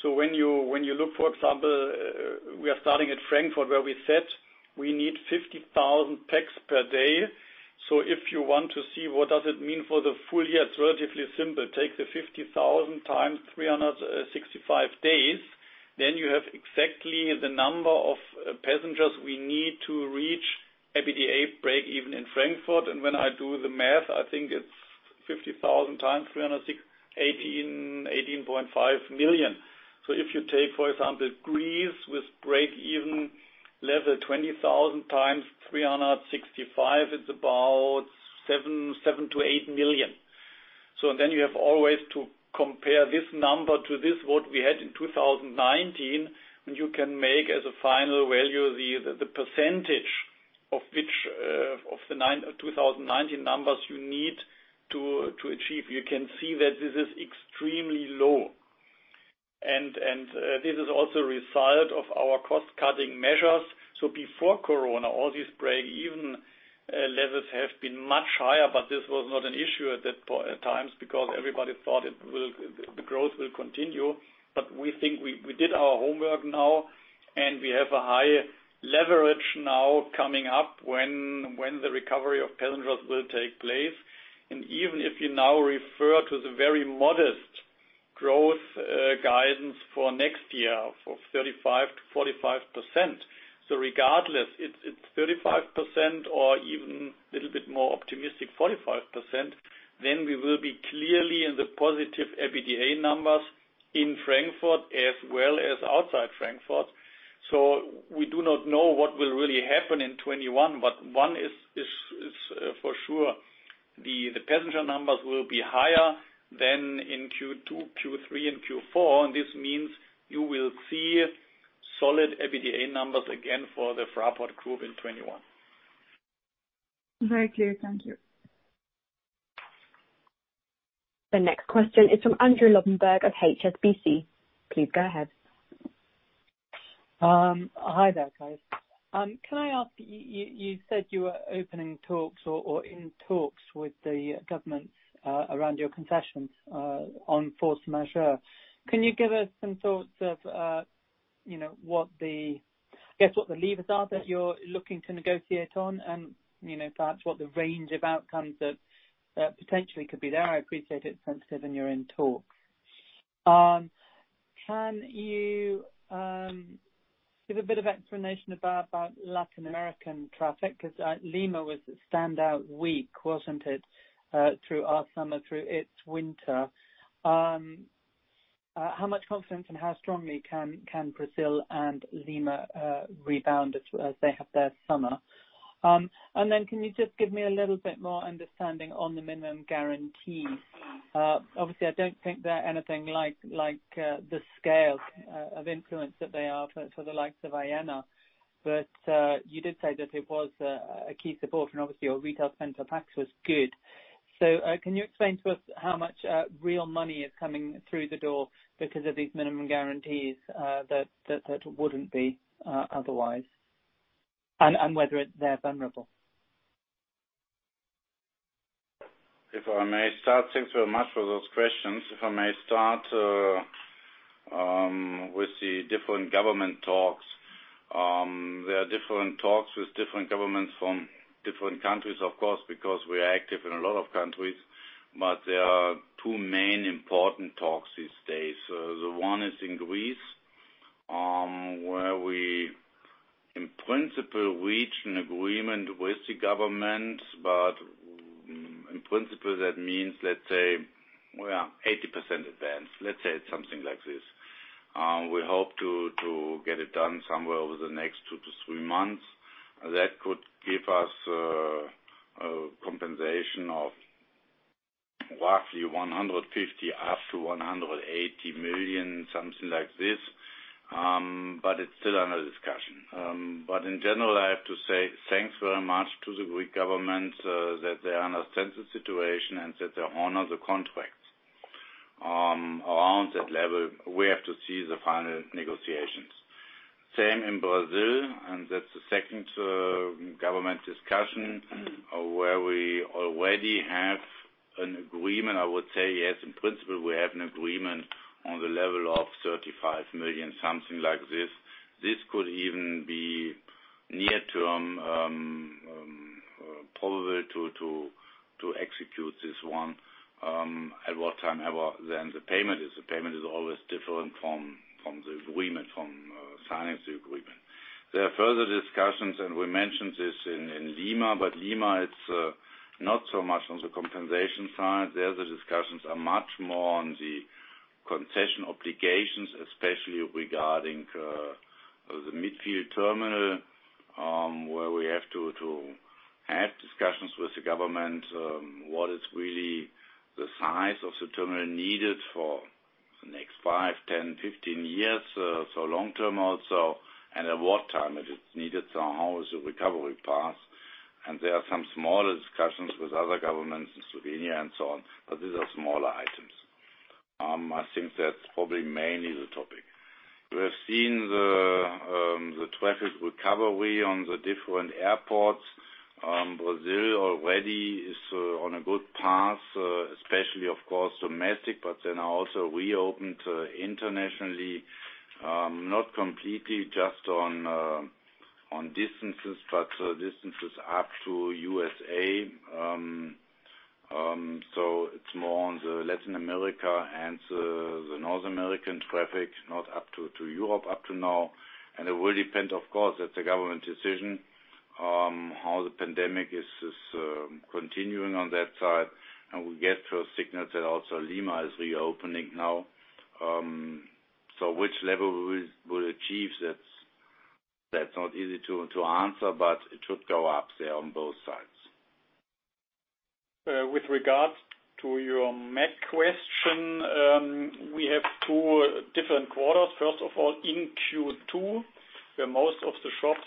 So when you look, for example, we are starting at Frankfurt where we said we need 50,000 pax per day. So if you want to see what does it mean for the full year, it's relatively simple. Take the 50,000 times 365 days, then you have exactly the number of passengers we need to reach EBITDA break-even in Frankfurt. And when I do the math, I think it's 50,000 times 365, 18.5 million. So if you take, for example, Greece with break-even level 20,000 times 365, it's about 7 to 8 million. So then you have always to compare this number to this, what we had in 2019, and you can make as a final value the percentage of the 2019 numbers you need to achieve. You can see that this is extremely low, and this is also a result of our cost-cutting measures, so before Corona, all these break-even levels have been much higher, but this was not an issue at that time because everybody thought the growth will continue, but we think we did our homework now, and we have a high leverage now coming up when the recovery of passengers will take place. Even if you now refer to the very modest growth guidance for next year of 35%-45%, so regardless, it's 35% or even a little bit more optimistic, 45%, then we will be clearly in the positive EBITDA numbers in Frankfurt as well as outside Frankfurt. We do not know what will really happen in 2021, but one is for sure. The passenger numbers will be higher than in Q2, Q3, and Q4, and this means you will see solid EBITDA numbers again for the Fraport Group in 2021. Very clear. Thank you. The next question is from Andrew Lobbenberg of HSBC. Please go ahead. Hi there, guys. Can I ask, you said you were opening talks or in talks with the governments around your concessions on force majeure. Can you give us some thoughts of, I guess, what the levers are that you're looking to negotiate on and perhaps what the range of outcomes that potentially could be there? I appreciate it's sensitive and you're in talks. Can you give a bit of explanation about Latin American traffic? Because Lima was a standout week, wasn't it, through our summer, through its winter? How much confidence and how strongly can Brazil and Lima rebound as they have their summer? And then can you just give me a little bit more understanding on the minimum guarantees? Obviously, I don't think they're anything like the scale of influence that they are for the likes of Aena, but you did say that it was a key support, and obviously, your retail spend per pax was good. So can you explain to us how much real money is coming through the door because of these minimum guarantees that wouldn't be otherwise? And whether they're vulnerable. If I may start, thanks very much for those questions. If I may start with the different government talks. There are different talks with different governments from different countries, of course, because we are active in a lot of countries, but there are two main important talks these days. The one is in Greece, where we, in principle, reach an agreement with the government, but in principle, that means, let's say, 80% advance. Let's say it's something like this. We hope to get it done somewhere over the next two to three months. That could give us compensation of roughly 150 million up to 180 million, something like this, but it's still under discussion. But in general, I have to say thanks very much to the Greek government that they understand the situation and that they honor the contracts. Around that level, we have to see the final negotiations. Same in Brazil, and that's the second government discussion where we already have an agreement. I would say, yes, in principle, we have an agreement on the level of 35 million, something like this. This could even be near-term probable to execute this one at whatever time. Then the payment is always different from the agreement, from signing the agreement. There are further discussions, and we mentioned this in Lima, but Lima, it's not so much on the compensation side. There's a discussion much more on the concession obligations, especially regarding the Midfield Terminal, where we have to have discussions with the government, what is really the size of the terminal needed for the next five, 10, 15 years, so long-term also, and at what time it is needed, so how is the recovery passed, and there are some smaller discussions with other governments in Slovenia and so on, but these are smaller items. I think that's probably mainly the topic. We have seen the traffic recovery on the different airports. Brazil already is on a good path, especially, of course, domestic, but then also reopened internationally, not completely just on distances, but distances up to U.S.A, so it's more on the Latin America and the North American traffic, not up to Europe up to now. And it will depend, of course. It's a government decision how the pandemic is continuing on that side. And we get first signals that also Lima is reopening now. So which level we will achieve, that's not easy to answer, but it should go up there on both sides. With regards to your MEC question, we have two different quarters. First of all, in Q2, where most of the shops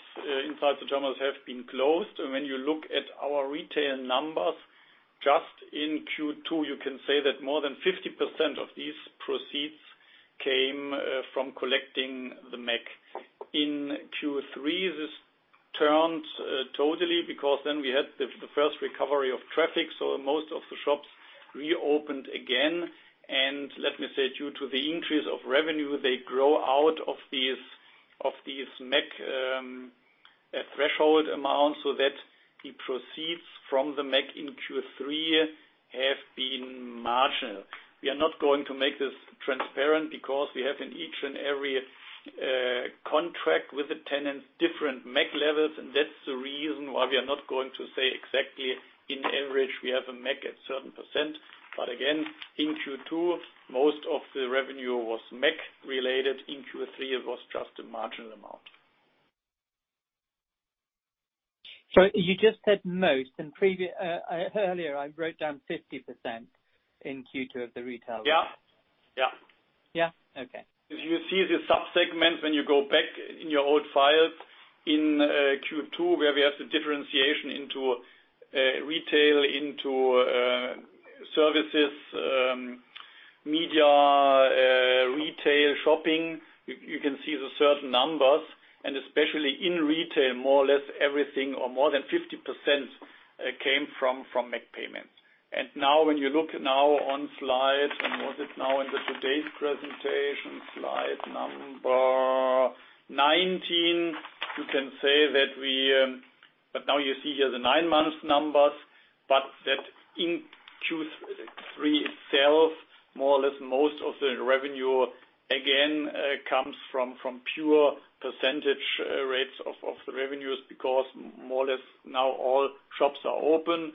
inside the terminals have been closed. And when you look at our retail numbers just in Q2, you can say that more than 50% of these proceeds came from collecting the MEC. In Q3, this turned totally because then we had the first recovery of traffic, so most of the shops reopened again. Let me say, due to the increase of revenue, they grew out of these MEC threshold amounts so that the proceeds from the MEC in Q3 have been marginal. We are not going to make this transparent because we have in each and every contract with the tenants different MEC levels, and that's the reason why we are not going to say exactly on average we have a MEC at certain %. But again, in Q2, most of the revenue was MEC related. In Q3, it was just a marginal amount. So you just said most, and earlier, I wrote down 50% in Q2 of the retail level. Yeah. Yeah. Yeah? Okay. If you see the subsegments when you go back in your old files in Q2, where we have the differentiation into retail, into services, media, retail, shopping, you can see the certain numbers. Especially in Retail, more or less everything or more than 50% came from MEC payments. Now when you look on slides, was it in today's presentation slide number 19, you can say that we, but now you see here the nine months numbers, but that in Q3 itself, more or less, most of the revenue again comes from pure percentage rates of the revenues because more or less now all shops are open.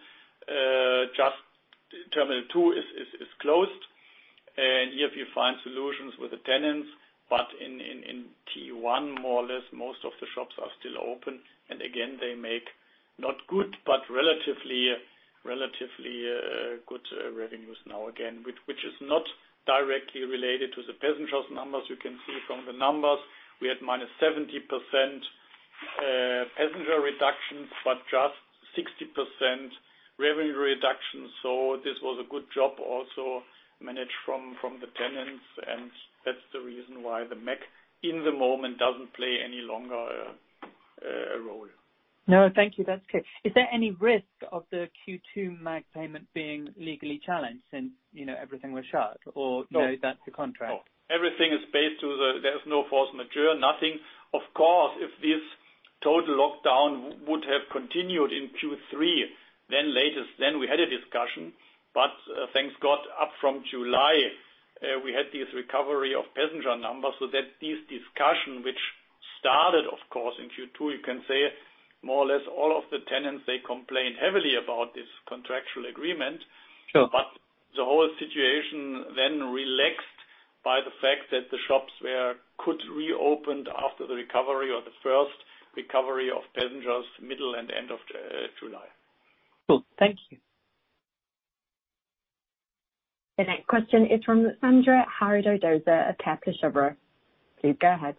Just Terminal Two is closed. Here we find solutions with the tenants, but in T1, more or less, most of the shops are still open. Again, they make not good, but relatively good revenues now again, which is not directly related to the passenger numbers. You can see from the numbers, we had -70% passenger reductions, but just 60% revenue reduction. So this was a good job also managed from the tenants, and that's the reason why the MEC in the moment doesn't play any longer a role. No, thank you. That's good. Is there any risk of the Q2 MEC payment being legally challenged since everything was shut or that's the contract? No. Everything is based to there's no force majeure, nothing. Of course, if this total lockdown would have continued in Q3, then latest, then we had a discussion. But thank God, up from July, we had this recovery of passenger numbers. So that this discussion, which started, of course, in Q2, you can say more or less all of the tenants, they complained heavily about this contractual agreement. But the whole situation then relaxed by the fact that the shops could reopen after the recovery or the first recovery of passengers middle and end of July. Cool. Thank you. The next question is from Ruxandra Haradau-Döser of Kepler Cheuvreux. Please go ahead.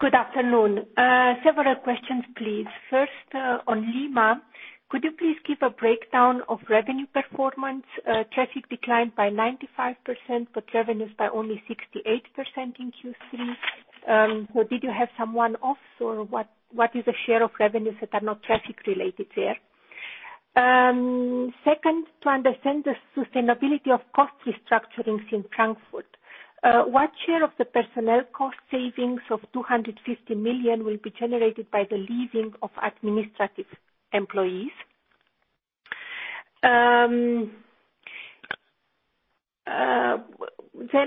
Good afternoon. Several questions, please. First, on Lima, could you please give a breakdown of revenue performance? Traffic declined by 95%, but revenues by only 68% in Q3. So did you have someone off, or what is the share of revenues that are not traffic related there? Second, to understand the sustainability of cost restructurings in Frankfurt, what share of the personnel cost savings of 250 million will be generated by the leaving of administrative employees? Then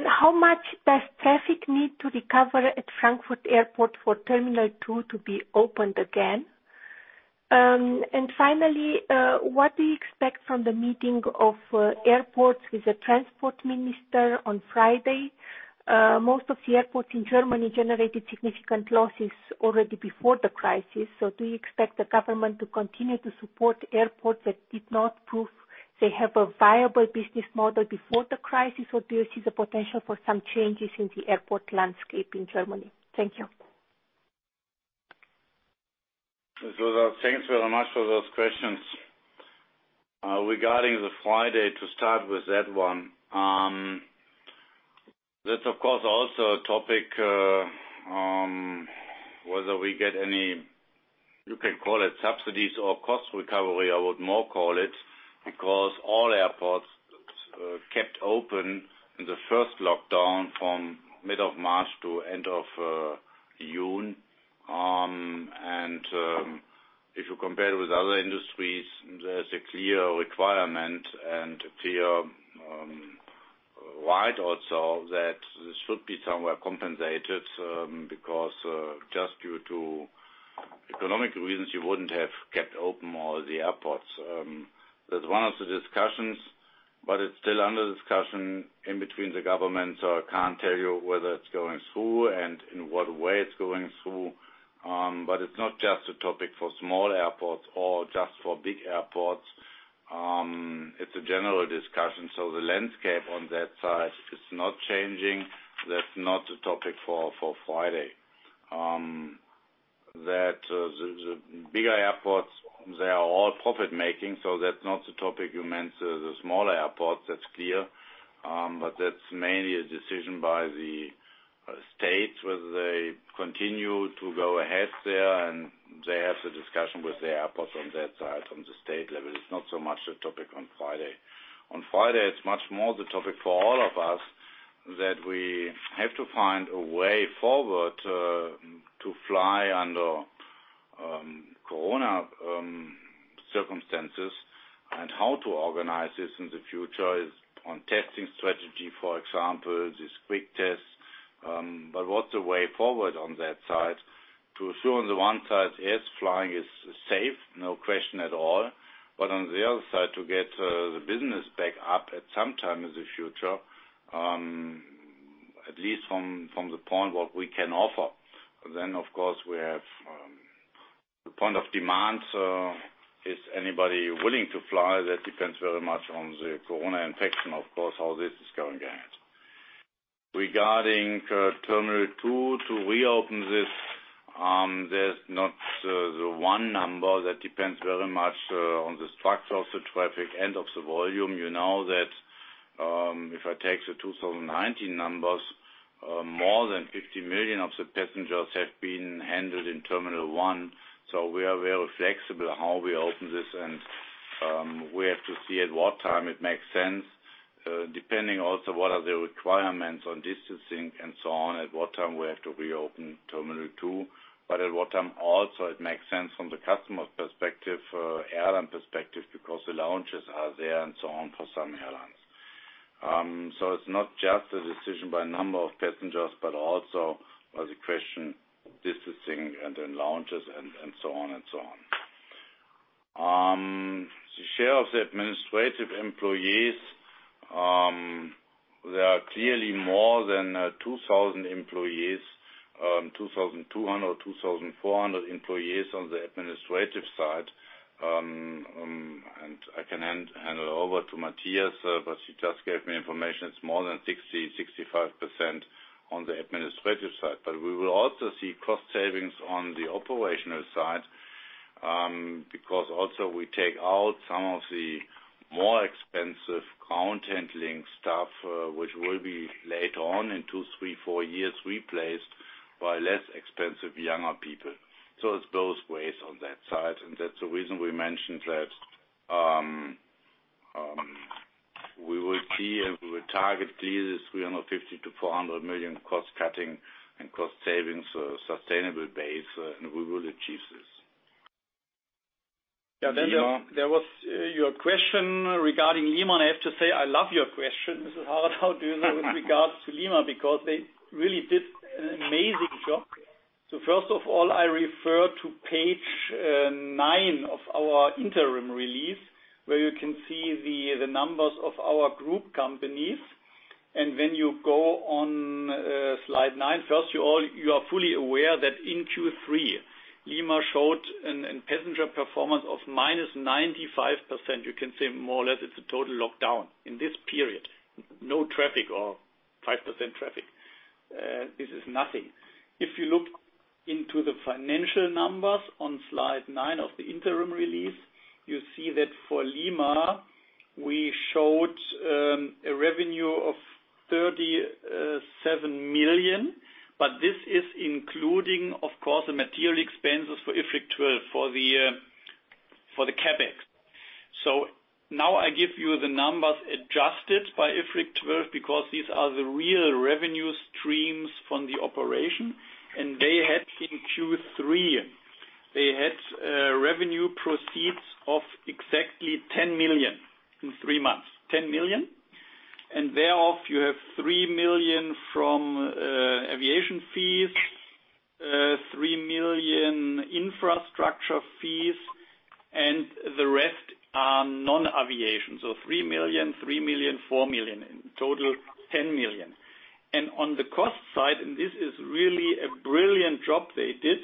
how much does traffic need to recover at Frankfurt Airport for Terminal Two to be opened again? And finally, what do you expect from the meeting of airports with the Transport Minister on Friday? Most of the airports in Germany generated significant losses already before the crisis. Do you expect the government to continue to support airports that did not prove they have a viable business model before the crisis, or do you see the potential for some changes in the airport landscape in Germany? Thank you. Thank you very much for those questions. Regarding FRA, to start with that one, that's, of course, also a topic whether we get any, you can call it subsidies or cost recovery. I would more call it, because all airports kept open in the first lockdown from mid of March to end of June. And if you compare it with other industries, there's a clear requirement and a clear right also that this should be somewhere compensated because just due to economic reasons, you wouldn't have kept open all the airports. That's one of the discussions, but it's still under discussion in between the government, so I can't tell you whether it's going through and in what way it's going through. But it's not just a topic for small airports or just for big airports. It's a general discussion. So the landscape on that side is not changing. That's not the topic for Friday. That the bigger airports, they are all profit-making, so that's not the topic you meant, the smaller airports, that's clear. But that's mainly a decision by the states whether they continue to go ahead there, and they have the discussion with the airports on that side on the state level. It's not so much the topic on Friday. On Friday, it's much more the topic for all of us that we have to find a way forward to fly under corona circumstances and how to organize this in the future is on testing strategy, for example, these quick tests. But what's the way forward on that side? To assure on the one side, yes, flying is safe, no question at all. But on the other side, to get the business back up at some time in the future, at least from the point what we can offer. Then, of course, we have the point of demand. Is anybody willing to fly? That depends very much on the corona infection, of course, how this is going ahead. Regarding Terminal Two to reopen this, there's not the one number. That depends very much on the structure of the traffic and of the volume. You know that if I take the 2019 numbers, more than 50 million of the passengers have been handled in Terminal One. We are very flexible how we open this, and we have to see at what time it makes sense, depending also what are the requirements on distancing and so on, at what time we have to Terminal Two. It also makes sense from the customer's perspective, airline perspective, because the lounges are there and so on for some airlines. It's not just a decision by number of passengers, but also by the question, distancing, and then lounges, and so on and so on. The share of the administrative employees, there are clearly more than 2,000 employees, 2,200, 2,400 employees on the administrative side, and I can hand it over to Matthias, but he just gave me information. It's more than 60-65% on the administrative side. But we will also see cost savings on the operational side because also we take out some of the more expensive ground handling staff, which will be later on in two, three, four years replaced by less expensive younger people. So it's both ways on that side. And that's the reason we mentioned that we will see and we will target clearly 350 million-400 million cost cutting and cost savings sustainable base, and we will achieve this. Yeah. Then there was your question regarding Lima. And I have to say I love your question, Ms. Haradau-Döser, with regards to Lima because they really did an amazing job. So first of all, I refer to page nine of our interim release where you can see the numbers of our group companies. When you go on slide nine, first, you are fully aware that in Q3, Lima showed a passenger performance of -95%. You can see more or less it's a total lockdown in this period. No traffic or 5% traffic. This is nothing. If you look into the financial numbers on slide nine of the interim release, you see that for Lima, we showed a revenue of 37 million, but this is including, of course, the material expenses for IFRIC 12 for the CapEx. So now I give you the numbers adjusted by IFRIC 12 because these are the real revenue streams from the operation. They had in Q3, they had revenue proceeds of exactly 10 million in three months. 10 million. Thereof, you have 3 million from aviation fees, 3 million infrastructure fees, and the rest are non-aviation. 3 million, 3 million, 4 million. In total, 10 million. On the cost side, and this is really a brilliant job they did,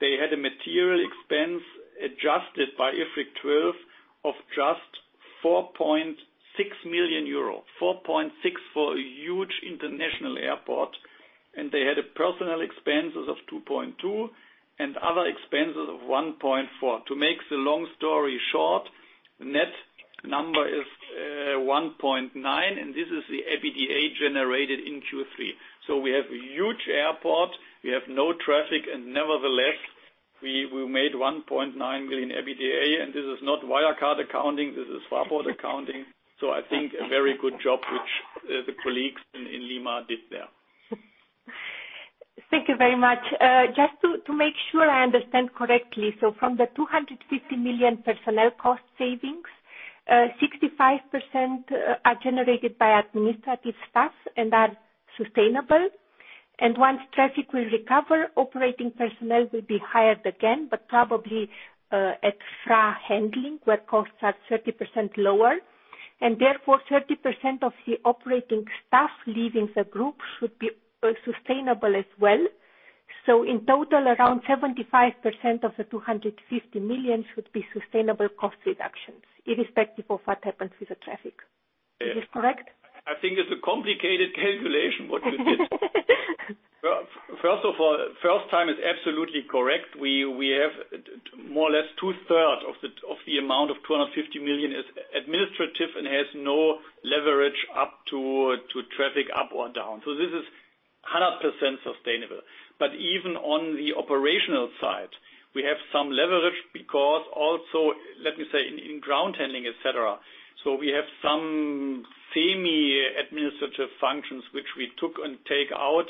they had a material expense adjusted by IFRIC 12 of just 4.6 million euro. 4.6 million for a huge international airport. They had personnel expenses of 2.2 million and other expenses of 1.4 million. To make the long story short, the net number is 1.9 million, and this is the EBITDA generated in Q3. We have a huge airport. We have no traffic, and nevertheless, we made 1.9 million EBITDA. This is not Wirecard accounting. This is Fraport accounting. I think a very good job, which the colleagues in Lima did there. Thank you very much. Just to make sure I understand correctly, from the 250 million personnel cost savings, 65% are generated by administrative staff and are sustainable. And once traffic will recover, operating personnel will be hired again, but probably at IFRA handling where costs are 30% lower. And therefore, 30% of the operating staff leaving the group should be sustainable as well. So in total, around 75% of the 250 million should be sustainable cost reductions, irrespective of what happens with the traffic. Is this correct? I think it's a complicated calculation, what you did. First of all, first time is absolutely correct. We have more or less two-thirds of the amount of 250 million is administrative and has no leverage up to traffic up or down. So this is 100% sustainable. But even on the operational side, we have some leverage because also, let me say, in ground handling, etc. So we have some semi-administrative functions which we took and take out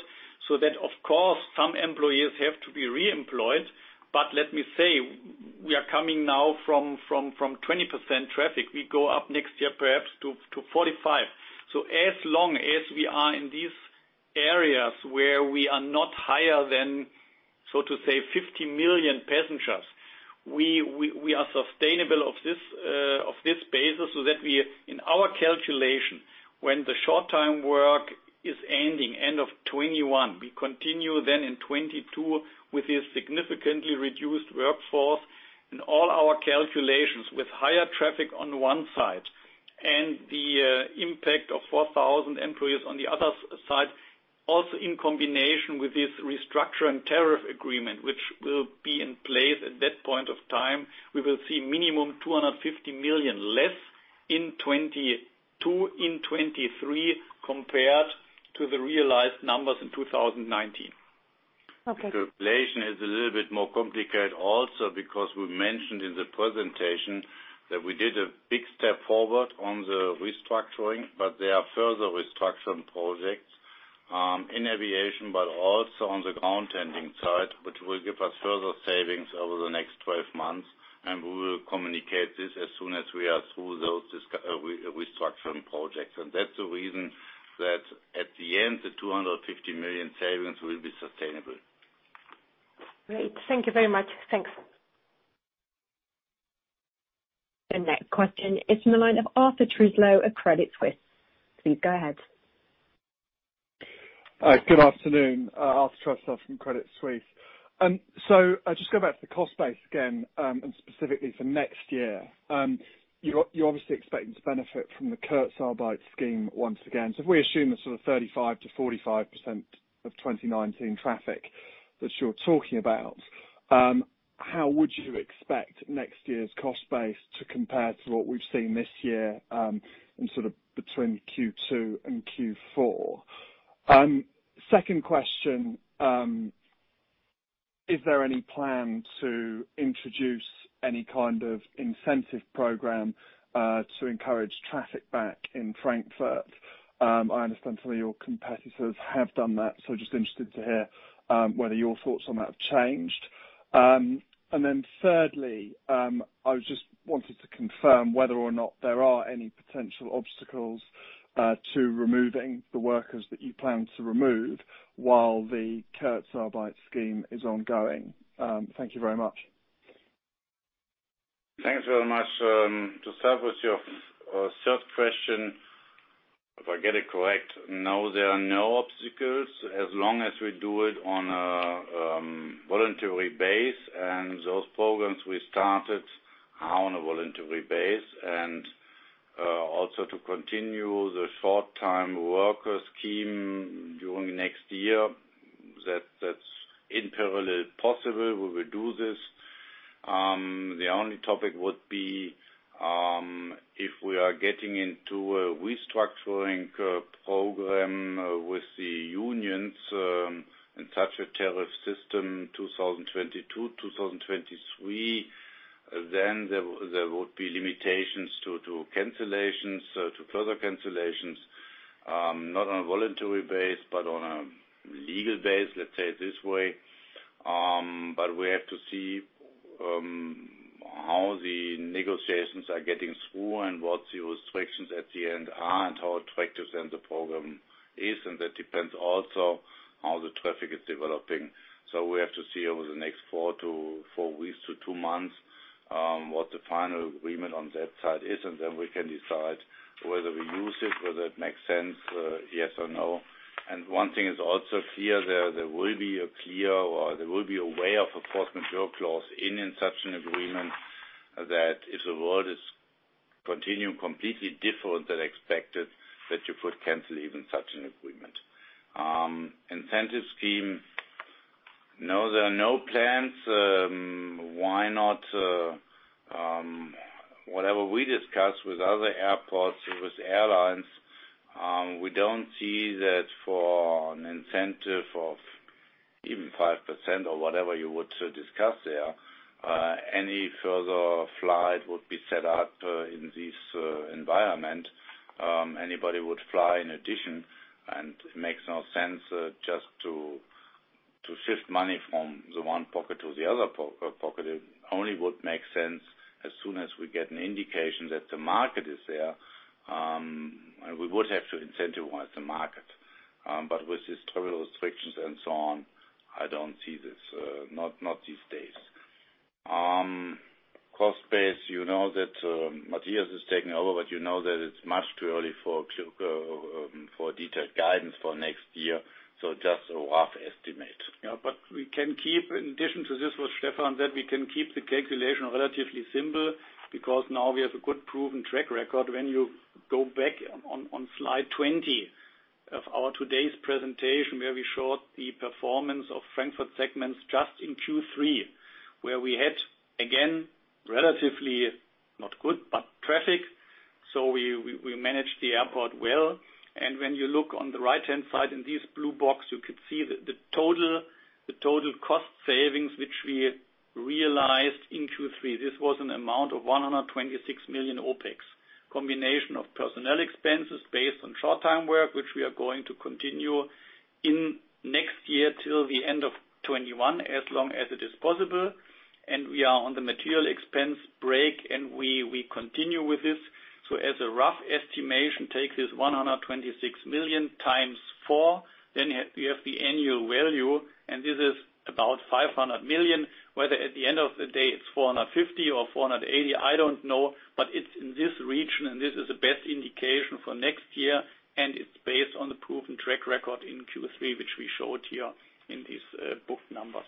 so that, of course, some employees have to be reemployed. But let me say, we are coming now from 20% traffic. We go up next year perhaps to 45%. So as long as we are in these areas where we are not higher than, so to say, 50 million passengers, we are sustainable on this basis so that we, in our calculation, when the short-time work is ending, end of 2021, we continue then in 2022 with this significantly reduced workforce. And all our calculations with higher traffic on one side and the impact of 4,000 employees on the other side, also in combination with this restructuring tariff agreement, which will be in place at that point of time, we will see minimum 250 million less in 2022, in 2023, compared to the realized numbers in 2019. The calculation is a little bit more complicated also because we mentioned in the presentation that we did a big step forward on the restructuring, but there are further restructuring projects in aviation, but also on the ground handling side, which will give us further savings over the next 12 months. And we will communicate this as soon as we are through those restructuring projects. And that's the reason that at the end, the 250 million savings will be sustainable. Great. Thank you very much. Thanks. The next question is from the line of Arthur Truslove at Credit Suisse. Please go ahead. Good afternoon. Arthur Truslove from Credit Suisse. So I'll just go back to the cost base again and specifically for next year. You're obviously expecting to benefit from the Kurzarbeit scheme once again. So if we assume the sort of 35%-45% of 2019 traffic that you're talking about, how would you expect next year's cost base to compare to what we've seen this year in sort of between Q2 and Q4? Second question, is there any plan to introduce any kind of incentive program to encourage traffic back in Frankfurt? I understand some of your competitors have done that, so just interested to hear whether your thoughts on that have changed. And then thirdly, I just wanted to confirm whether or not there are any potential obstacles to removing the workers that you plan to remove while the Kurzarbeit scheme is ongoing. Thank you very much. Thanks very much. To start with your third question, if I get it correct, no, there are no obstacles as long as we do it on a voluntary basis. And those programs we started are on a voluntary basis. And also to continue the short-time work scheme during next year, that's in parallel possible. We will do this. The only topic would be if we are getting into a restructuring program with the unions in such a tariff system 2022, 2023, then there would be limitations to cancellations, to further cancellations, not on a voluntary basis, but on a legal basis, let's say it this way. But we have to see how the negotiations are getting through and what the restrictions at the end are and how attractive then the program is. And that depends also on how the traffic is developing. So we have to see over the next four weeks to two months what the final agreement on that side is. And then we can decide whether we use it, whether it makes sense, yes or no. One thing is also clear, there will be a clear or there will be a way of a force majeure clause in such an agreement that if the world is continuing completely different than expected, that you could cancel even such an agreement. Incentive scheme, no, there are no plans. Why not? Whatever we discuss with other airports, with airlines, we don't see that for an incentive of even 5% or whatever you would discuss there, any further flight would be set up in this environment. Anybody would fly in addition. And it makes no sense just to shift money from the one pocket to the other pocket. It only would make sense as soon as we get an indication that the market is there. And we would have to incentivize the market. But with these travel restrictions and so on, I don't see this, not these days. Cost base, you know that Matthias is taking over, but you know that it's much too early for detailed guidance for next year. So just a rough estimate. Yeah. But we can keep, in addition to this, what Stefan said, we can keep the calculation relatively simple because now we have a good proven track record. When you go back on slide 20 of our today's presentation where we showed the performance of Frankfurt segments just in Q3, where we had, again, relatively not good, but traffic. So we managed the airport well, and when you look on the right-hand side in this blue box, you could see the total cost savings which we realized in Q3. This was an amount of 126 million OPEX, combination of personnel expenses based on short-time work, which we are going to continue in next year till the end of 2021, as long as it is possible. And we are on the material expense break, and we continue with this. So as a rough estimation, take this 126 million times four, then you have the annual value, and this is about 500 million. Whether at the end of the day it's 450 million or 480 million, I don't know, but it's in this region, and this is a best indication for next year. And it's based on the proven track record in Q3, which we showed here in these booked numbers.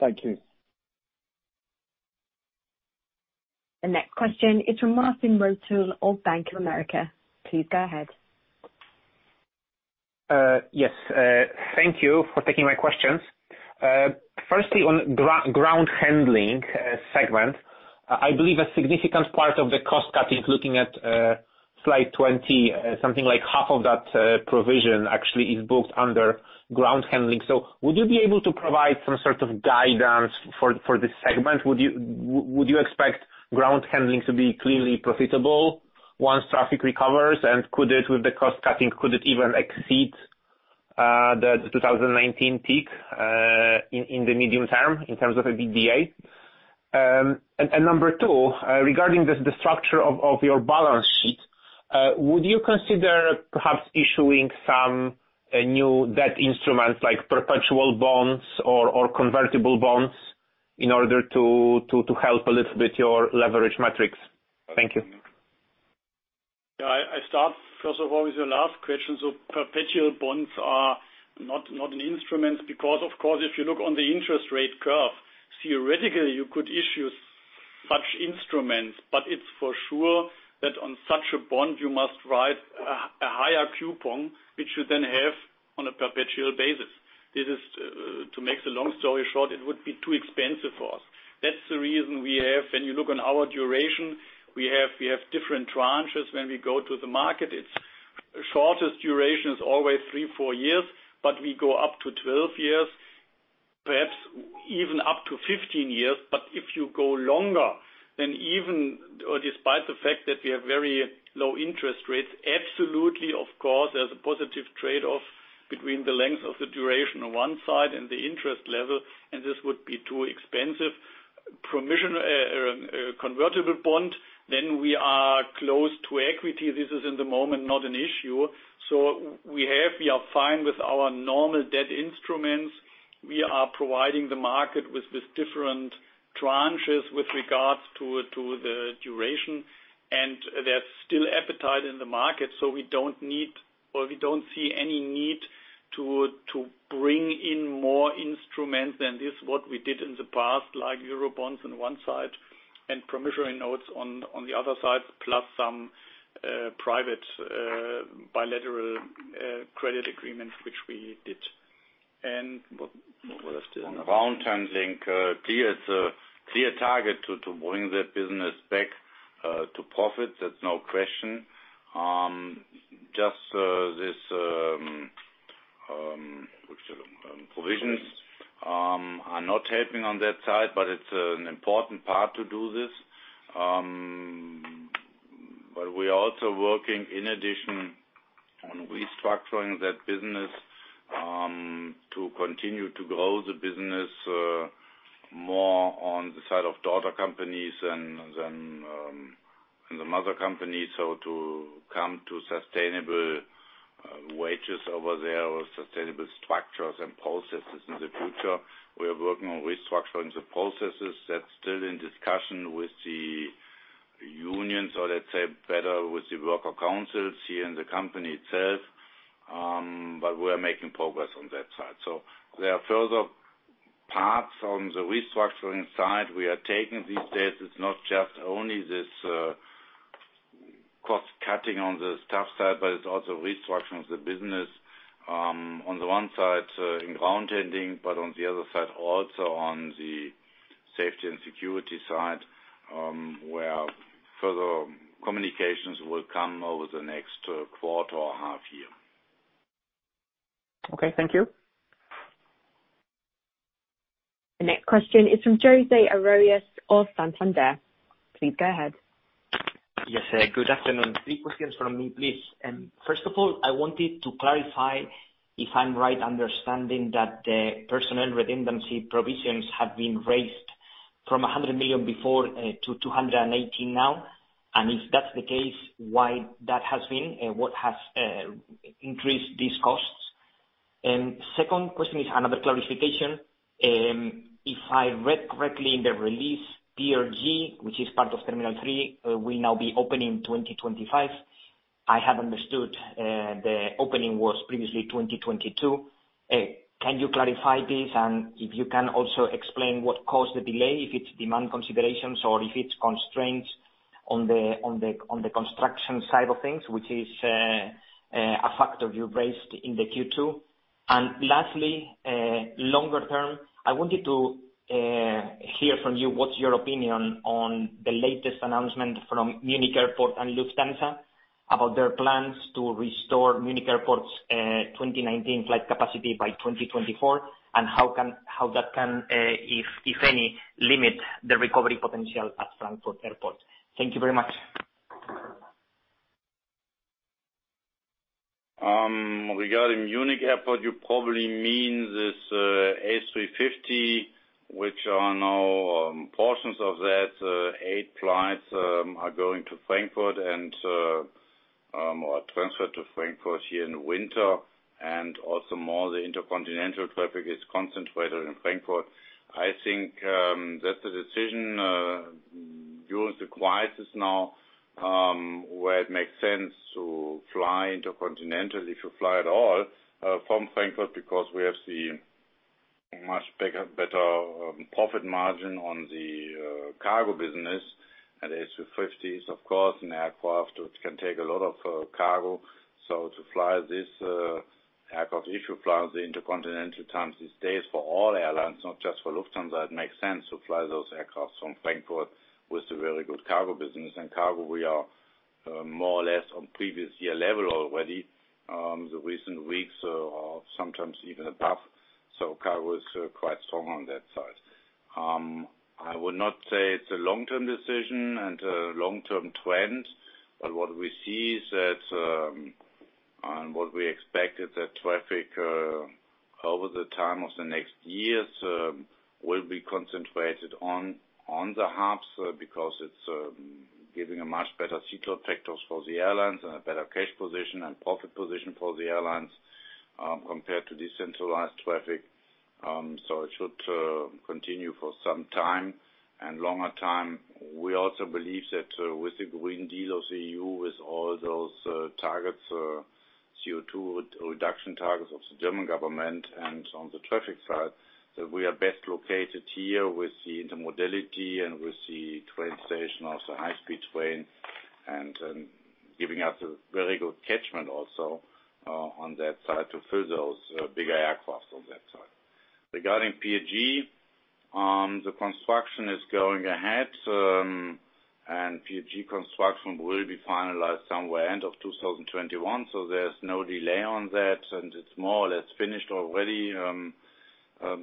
Thank you. The next question is from Marcin Wojtal of Bank of America. Please go ahead. Yes. Thank you for taking my questions. Firstly, on Ground Handling segment, I believe a significant part of the cost cutting, looking at slide 20, something like half of that provision actually is booked under ground handling. So would you be able to provide some sort of guidance for this segment? Would you expect ground handling to be clearly profitable once traffic recovers? And with the cost cutting, could it even exceed the 2019 peak in the medium term in terms of EBITDA? And number two, regarding the structure of your balance sheet, would you consider perhaps issuing some new debt instruments like perpetual bonds or convertible bonds in order to help a little bit your leverage metrics? Thank you. Yeah. I start, first of all, with your last question. So perpetual bonds are not an instrument because, of course, if you look on the interest rate curve, theoretically, you could issue such instruments. But it's for sure that on such a bond, you must write a higher coupon, which you then have on a perpetual basis. To make the long story short, it would be too expensive for us. That's the reason we have, when you look on our duration, we have different tranches. When we go to the market, the shortest duration is always three, four years, but we go up to 12 years, perhaps even up to 15 years. But if you go longer, then even despite the fact that we have very low interest rates, absolutely, of course, there's a positive trade-off between the length of the duration on one side and the interest level, and this would be too expensive. Convertible bond, then we are close to equity. This is, in the moment, not an issue. So we are fine with our normal debt instruments. We are providing the market with different tranches with regards to the duration, and there's still appetite in the market, so we don't need or we don't see any need to bring in more instruments than this, what we did in the past, like Eurobonds on one side and promissory notes on the other side, plus some private bilateral credit agreements, which we did. And what else? Ground handling, clear target to bring the business back to profits. That's no question. Just these provisions are not helping on that side, but it's an important part to do this, but we are also working, in addition, on restructuring that business to continue to grow the business more on the side of daughter companies than the mother company, so to come to sustainable wages over there or sustainable structures and processes in the future. We are working on restructuring the processes. That's still in discussion with the unions, or let's say better with the worker councils here in the company itself. But we are making progress on that side. So there are further parts on the restructuring side. We are taking these days, it's not just only this cost cutting on the staff side, but it's also restructuring of the business on the one side in ground handling, but on the other side also on the safety and security side where further communications will come over the next quarter or half year. Okay. Thank you. The next question is from José Arroyas of Santander. Please go ahead. Yes, sir. Good afternoon. Three questions from me, please. First of all, I wanted to clarify if I'm right understanding that the personnel redundancy provisions have been raised from 100 million before to 218 now. And if that's the case, why that has been? What has increased these costs? And second question is another clarification. If I read correctly in the release, Pier G, which is part of Terminal Three, will now be opening 2025. I have understood the opening was previously 2022. Can you clarify this? And if you can also explain what caused the delay, if it's demand considerations or if it's constraints on the construction side of things, which is a factor you raised in the Q2. And lastly, longer term, I wanted to hear from you what's your opinion on the latest announcement from Munich Airport and Lufthansa about their plans to restore Munich Airport's 2019 flight capacity by 2024 and how that can, if any, limit the recovery potential at Frankfurt Airport. Thank you very much. Regarding Munich Airport, you probably mean this A350, which are now portions of that. Eight flights are going to Frankfurt and are transferred to Frankfurt here in the winter, and also more of the intercontinental traffic is concentrated in Frankfurt. I think that's a decision during the crisis now where it makes sense to fly intercontinental, if you fly at all, from Frankfurt because we have the much better profit margin on the cargo business, and the A350 is, of course, an aircraft which can take a lot of cargo, so to fly this aircraft if you fly on the intercontinental times these days for all airlines, not just for Lufthansa, it makes sense to fly those aircraft from Frankfurt with a very good cargo business, and cargo, we are more or less on previous year level already, the recent weeks are sometimes even above, so cargo is quite strong on that side. I would not say it's a long-term decision and a long-term trend, but what we see is that and what we expect is that traffic over the time of the next years will be concentrated on the hubs because it's giving a much better seatload factors for the airlines and a better cash position and profit position for the airlines compared to decentralized traffic. So it should continue for some time and longer time. We also believe that with the Green Deal of the EU, with all those targets, CO2 reduction targets of the German government and on the traffic side, that we are best located here with the intermodality and with the train station of the high-speed train and giving us a very good catchment also on that side to fill those bigger aircraft on that side. Regarding Pier G, the construction is going ahead, and Pier G construction will be finalized somewhere end of 2021. So there's no delay on that, and it's more or less finished already.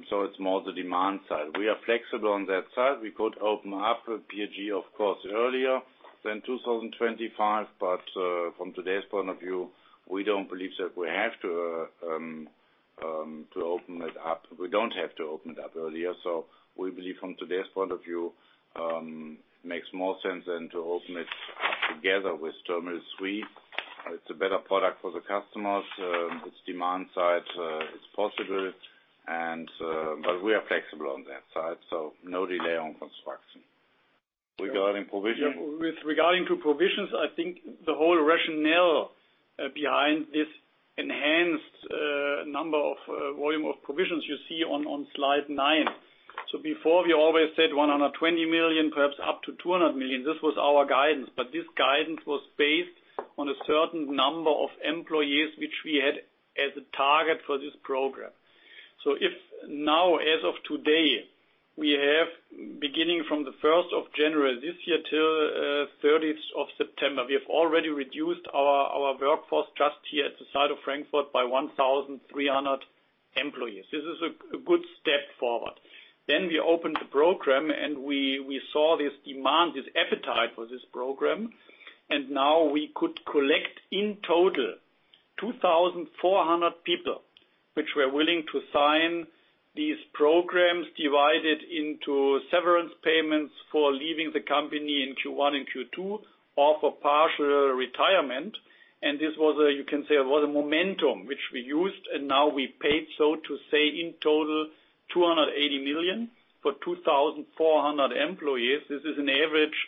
So it's more the demand side. We are flexible on that side. We could open up Pier G, of course, earlier than 2025, but from today's point of view, we don't believe that we have to open it up. We don't have to open it up earlier. So we believe from today's point of view, it makes more sense than to open it together with Terminal Three. It's a better product for the customers. It's demand side. It's possible. But we are flexible on that side. So no delay on construction. Regarding provisions. Regarding provisions, I think the whole rationale behind this enhanced number of volume of provisions you see on slide nine. So before, we always said 120 million, perhaps up to 200 million. This was our guidance. But this guidance was based on a certain number of employees which we had as a target for this program. So now, as of today, we have, beginning from the 1st of January this year till 30th of September, we have already reduced our workforce just here at the site of Frankfurt by 1,300 employees. This is a good step forward. Then we opened the program, and we saw this demand, this appetite for this program. And now we could collect in total 2,400 people which were willing to sign these programs divided into severance payments for leaving the company in Q1 and Q2 or for partial retirement. And this was, you can say, it was a momentum which we used. Now we paid, so to say, in total 280 million for 2,400 employees. This is an average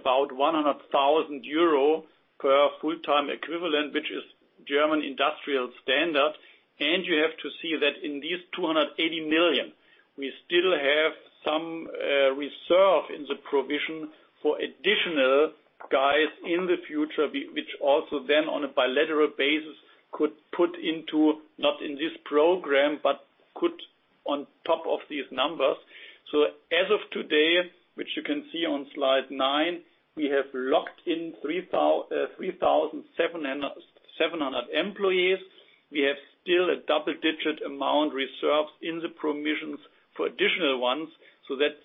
about 100,000 euro per full-time equivalent, which is German industrial standard. You have to see that in these 280 million, we still have some reserve in the provision for additional guys in the future, which also then on a bilateral basis could put into, not in this program, but could on top of these numbers. As of today, which you can see on slide nine, we have locked in 3,700 employees. We have still a double-digit amount reserved in the provisions for additional ones. That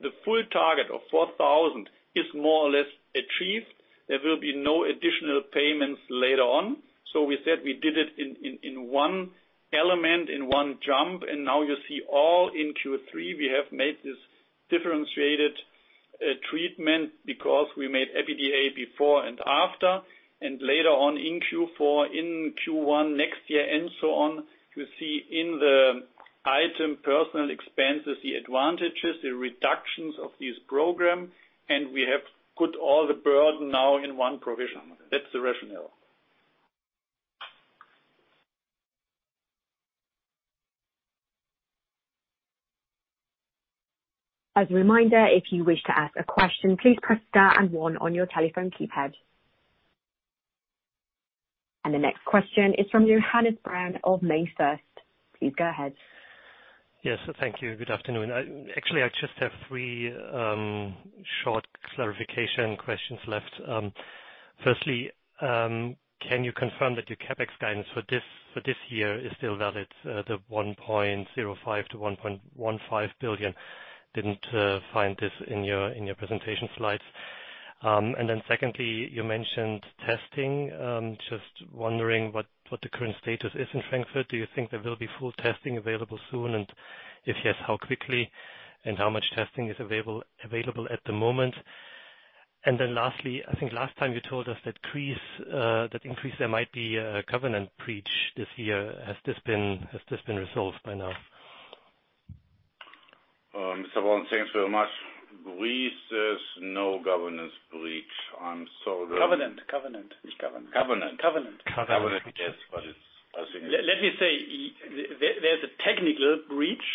the full target of 4,000 is more or less achieved. There will be no additional payments later on. We said we did it in one element, in one jump. Now you see all in Q3, we have made this differentiated treatment because we made EBITDA before and after. And later on in Q4, in Q1 next year, and so on, you see in the item personal expenses the advantages, the reductions of this program. And we have put all the burden now in one provision. That's the rationale. As a reminder, if you wish to ask a question, please press star and one on your telephone keypad. And the next question is from Johannes Braun of MainFirst. Please go ahead. Yes. Thank you. Good afternoon. Actually, I just have three short clarification questions left. Firstly, can you confirm that your CapEx guidance for this year is still valid, the 1.05 billion-1.15 billion? Didn't find this in your presentation slides. And then secondly, you mentioned testing. Just wondering what the current status is in Frankfurt. Do you think there will be full testing available soon? And if yes, how quickly? And how much testing is available at the moment? And then lastly, I think last time you told us that increase, there might be a covenant breach this year. Has this been resolved by now? Mr. Braun, thanks very much. There is no covenant breach. I'm sorry. Yes, but it's I think it's let me say there's a technical breach.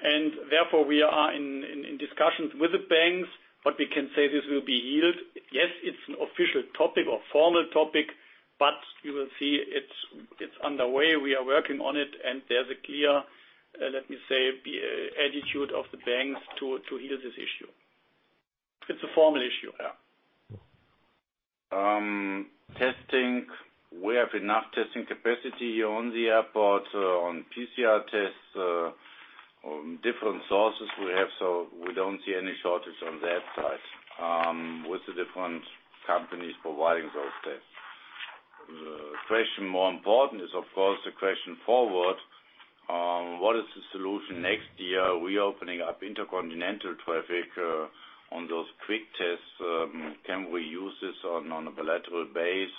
And therefore, we are in discussions with the banks, but we can say this will be healed. Yes, it's an official topic or formal topic, but you will see it's underway. We are working on it. And there's a clear, let me say, attitude of the banks to heal this issue. It's a formal issue. Yeah. Testing. We have enough testing capacity here on the airport, on PCR tests, different sources we have. So we don't see any shortage on that side with the different companies providing those tests. The question more important is, of course, the question forward. What is the solution next year? We're opening up intercontinental traffic on those quick tests. Can we use this on a bilateral base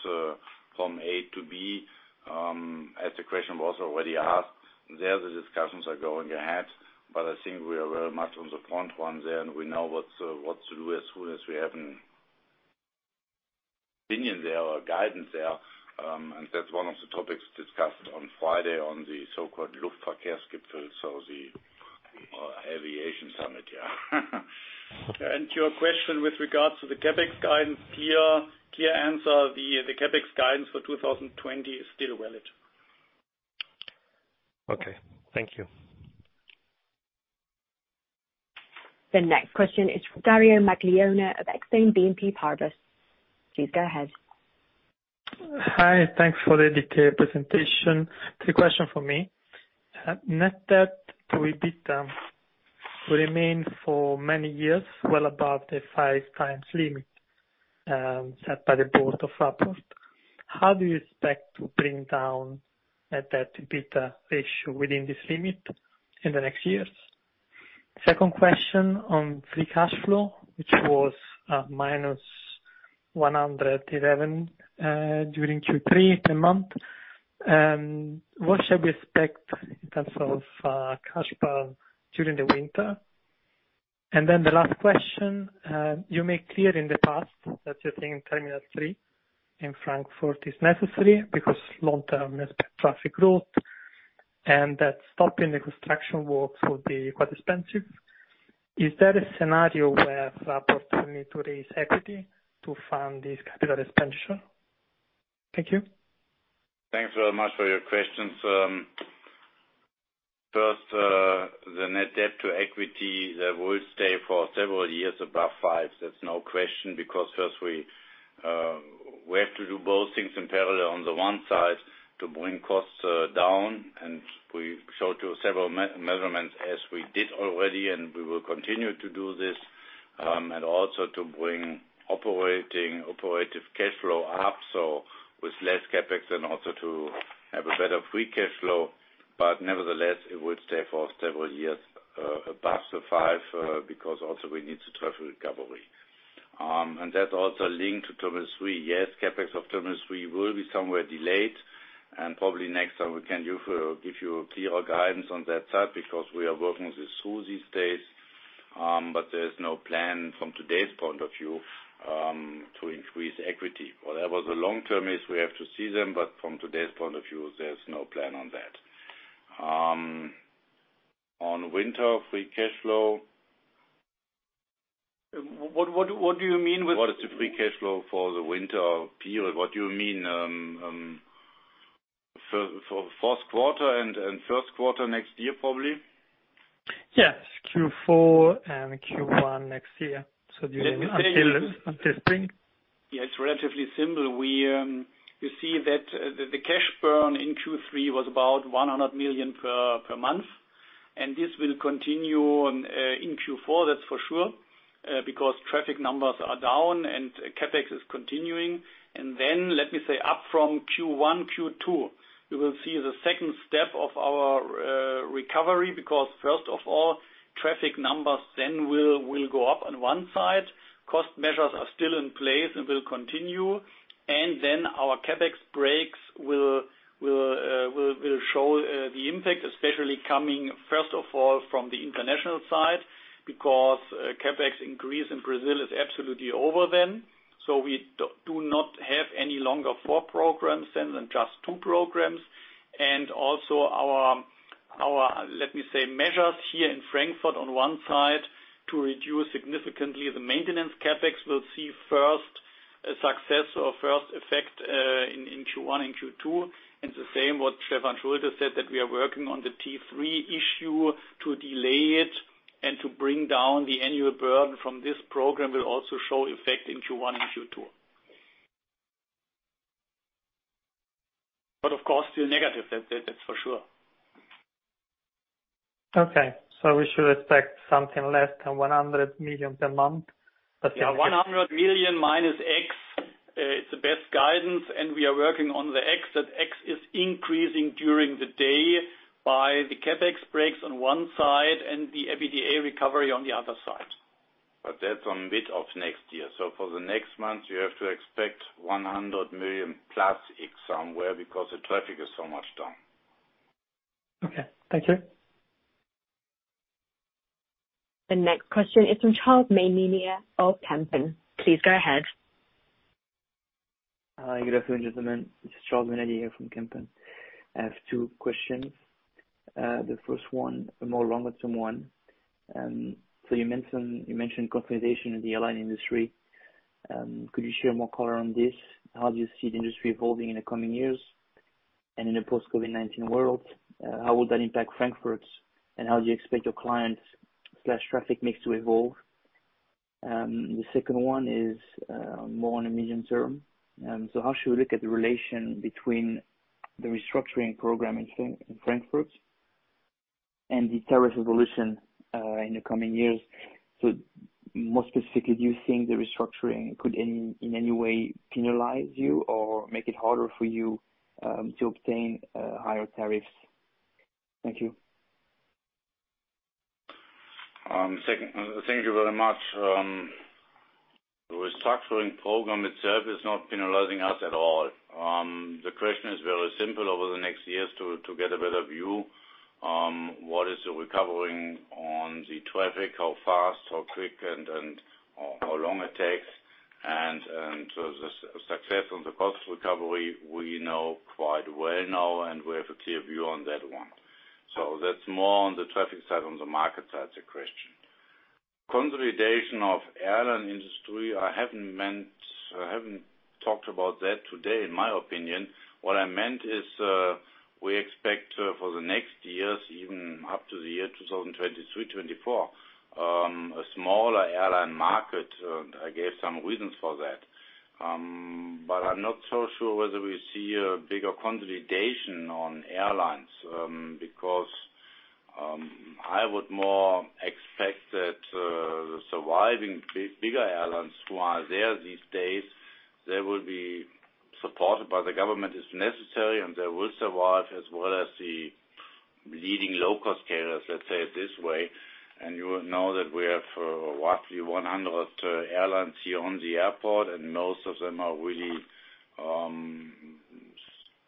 from A to B? As the question was already asked, there's a discussion that's going ahead. But I think we are very much on the front one there, and we know what's to do as soon as we have an opinion there or guidance there, and that's one of the topics discussed on Friday on the so-called Luftverkehrsgipfel, so the Aviation Summit. Yeah, and to your question with regards to the CapEx guidance, clear answer. The CapEx guidance for 2020 is still valid. Okay. Thank you. The next question is from Dario Maglione of Exane BNP Paribas. Please go ahead. Hi. Thanks for the detailed presentation. The question for me, net debt to EBITDA will remain for many years well above the five times limit set by the board of Frankfurt. How do you expect to bring down net debt to EBITDA ratio within this limit in the next years? Second question on free cash flow, which was -111 during Q3 per month. What should we expect in terms of cash burn during the winter? And then the last question, you made clear in the past that you think Terminal Three in Frankfurt is necessary because long-term traffic growth and that stopping the construction works would be quite expensive. Is there a scenario where Frankfurt will need to raise equity to fund this capital expenditure? Thank you. Thanks very much for your questions. First, the net debt to equity, that will stay for several years above five. That's no question because first, we have to do both things in parallel on the one side to bring costs down. And we showed you several measures as we did already, and we will continue to do this. And also to bring operating cash flow up, so with less CapEx and also to have a better free cash flow. But nevertheless, it would stay for several years above the five because also we need traffic recovery. And that's also linked to Terminal Three. Yes, CapEx of Terminal Three will be somewhere delayed. And probably next time, we can give you a clearer guidance on that side because we are working with subsidies. But there's no plan from today's point of view to increase equity. Whatever the long-term is, we have to see them. But from today's point of view, there's no plan on that. On winter free cash flow, what do you mean with what is the free cash flow for the winter period? What do you mean for fourth quarter and first quarter next year, probably? Yes. Q4 and Q1 next year. So during until the spring. Yeah. It's relatively simple. You see that the cash burn in Q3 was about 100 million per month, and this will continue in Q4, that's for sure, because traffic numbers are down and CapEx is continuing, and then, let me say, up from Q1, Q2, we will see the second step of our recovery because first of all, traffic numbers then will go up on one side. Cost measures are still in place and will continue. And then our CapEx breaks will show the impact, especially coming first of all from the international side because CapEx increase in Brazil is absolutely over then. So we do not have any longer four programs then than just two programs. And also our, let me say, measures here in Frankfurt on one side to reduce significantly the maintenance CapEx will see first success or first effect in Q1 and Q2. And the same what Stefan Schulte said, that we are working on the T3 issue to delay it and to bring down the annual burden from this program will also show effect in Q1 and Q2. But of course, still negative. That's for sure. Okay. So we should expect something less than 100 million per month? 100 million - X, it's the best guidance. We are working on the X that X is increasing during the day by the CapEx breaks on one side and the EBITDA recovery on the other side. But that's on mid of next year. So for the next month, you have to expect 100 million plus X somewhere because the traffic is so much down. Okay. Thank you. The next question is from Charles Maynadier of Kempen. Please go ahead. Hi, good afternoon, gentlemen. This is Charles Maynadier here from Kempen. I have two questions. The first one, a more longer-term one. So you mentioned consolidation in the airline industry. Could you share more color on this? How do you see the industry evolving in the coming years? And in a post-COVID-19 world, how will that impact Frankfurt? And how do you expect your clients/traffic mix to evolve? The second one is more on a medium term. So how should we look at the relation between the restructuring program in Frankfurt and the tariff evolution in the coming years? So more specifically, do you think the restructuring could in any way penalize you or make it harder for you to obtain higher tariffs? Thank you. Thank you very much. The restructuring program itself is not penalizing us at all. The question is very simple over the next years to get a better view. What is the recovering on the traffic? How fast, how quick, and how long it takes? And the success on the cost recovery, we know quite well now, and we have a clear view on that one. So that's more on the traffic side on the market side, the question. Consolidation of airline industry, I haven't talked about that today, in my opinion. What I meant is we expect for the next years, even up to the year 2023, 2024, a smaller airline market. I gave some reasons for that. But I'm not so sure whether we see a bigger consolidation on airlines because I would more expect that the surviving bigger airlines who are there these days, they will be supported by the government if necessary, and they will survive as well as the leading low-cost carriers, let's say it this way. And you will know that we have roughly 100 airlines here on the airport, and most of them are really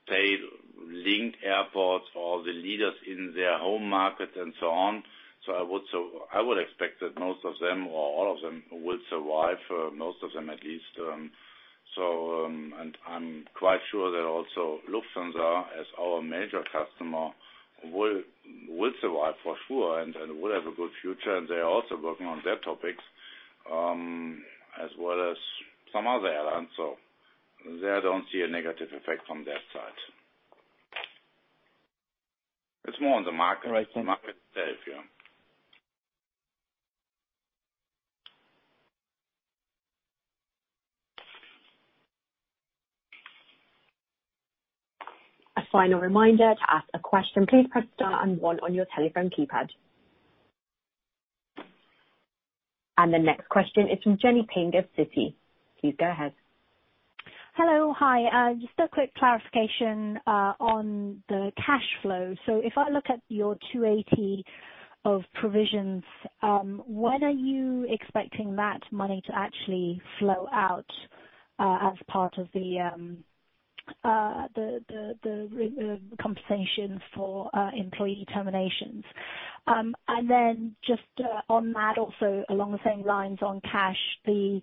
state-linked airlines or the leaders in their home market and so on. So I would expect that most of them or all of them will survive, most of them at least. I'm quite sure that also Lufthansa, as our major customer, will survive for sure and will have a good future. They're also working on their topics as well as some other airlines. So I don't see a negative effect from that side. It's more on the market itself. Yeah. A final reminder to ask a question. Please press star and one on your telephone keypad. The next question is from Jenny Ping of Citi. Please go ahead. Hello. Hi. Just a quick clarification on the cash flow. So if I look at your 280 of provisions, when are you expecting that money to actually flow out as part of the compensation for employee terminations? Then just on that, also along the same lines on cash, the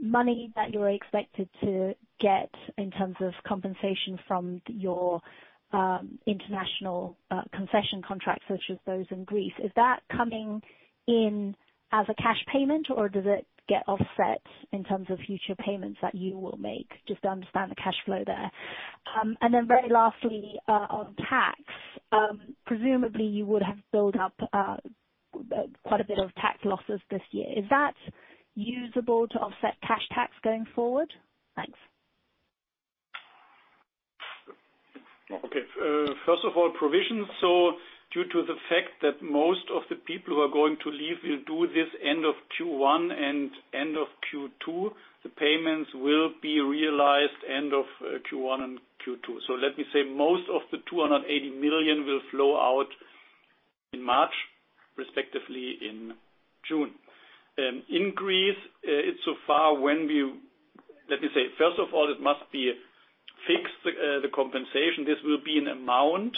money that you're expected to get in terms of compensation from your international concession contracts, such as those in Greece, is that coming in as a cash payment, or does it get offset in terms of future payments that you will make? Just to understand the cash flow there. And then very lastly, on tax, presumably you would have built up quite a bit of tax losses this year. Is that usable to offset cash tax going forward? Thanks. Okay. First of all, provisions. Due to the fact that most of the people who are going to leave will do this end of Q1 and end of Q2, the payments will be realized end of Q1 and Q2. Let me say most of the 280 million will flow out in March, respectively in June. In Greece, it's so far when we, let me say, first of all, it must be fixed, the compensation. This will be an amount,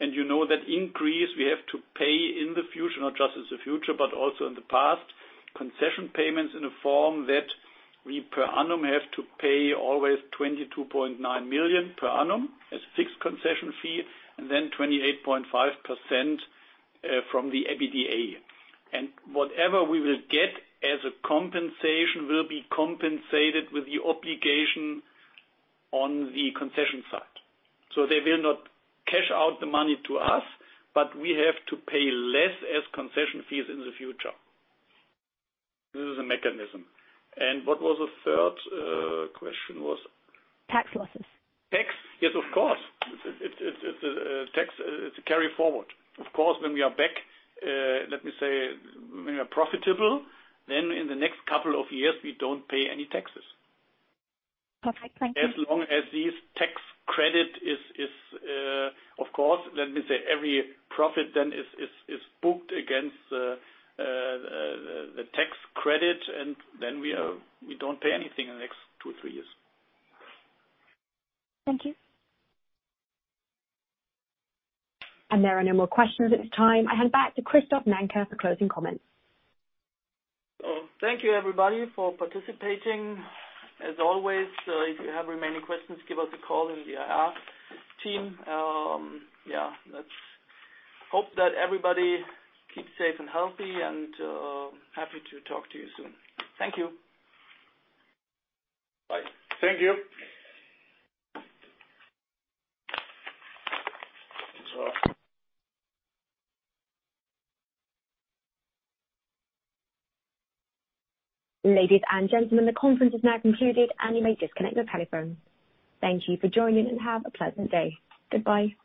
and you know that increase, we have to pay in the future, not just in the future, but also in the past, concession payments in a form that we per annum have to pay always 22.9 million per annum as a fixed concession fee, and then 28.5% from the EBITDA, and whatever we will get as a compensation will be compensated with the obligation on the concession side, so they will not cash out the money to us, but we have to pay less as concession fees in the future. This is a mechanism, and what was the third question was? Tax losses. Tax? Yes, of course. It's a carry forward. Of course, when we are back, let me say, when we are profitable, then in the next couple of years, we don't pay any taxes. Perfect. Thank you. As long as this tax credit is, of course, let me say, every profit then is booked against the tax credit, and then we don't pay anything in the next two or three years. Thank you. And there are no more questions at this time. I hand back to Christoph Nanke for closing comments. Thank you, everybody, for participating. As always, if you have remaining questions, give us a call in the IR team. Yeah. Let's hope that everybody keeps safe and healthy and happy to talk to you soon. Thank you. Bye. Thank you. Ladies and gentlemen, the conference is now concluded, and you may disconnect your telephone. Thank you for joining and have a pleasant day. Goodbye.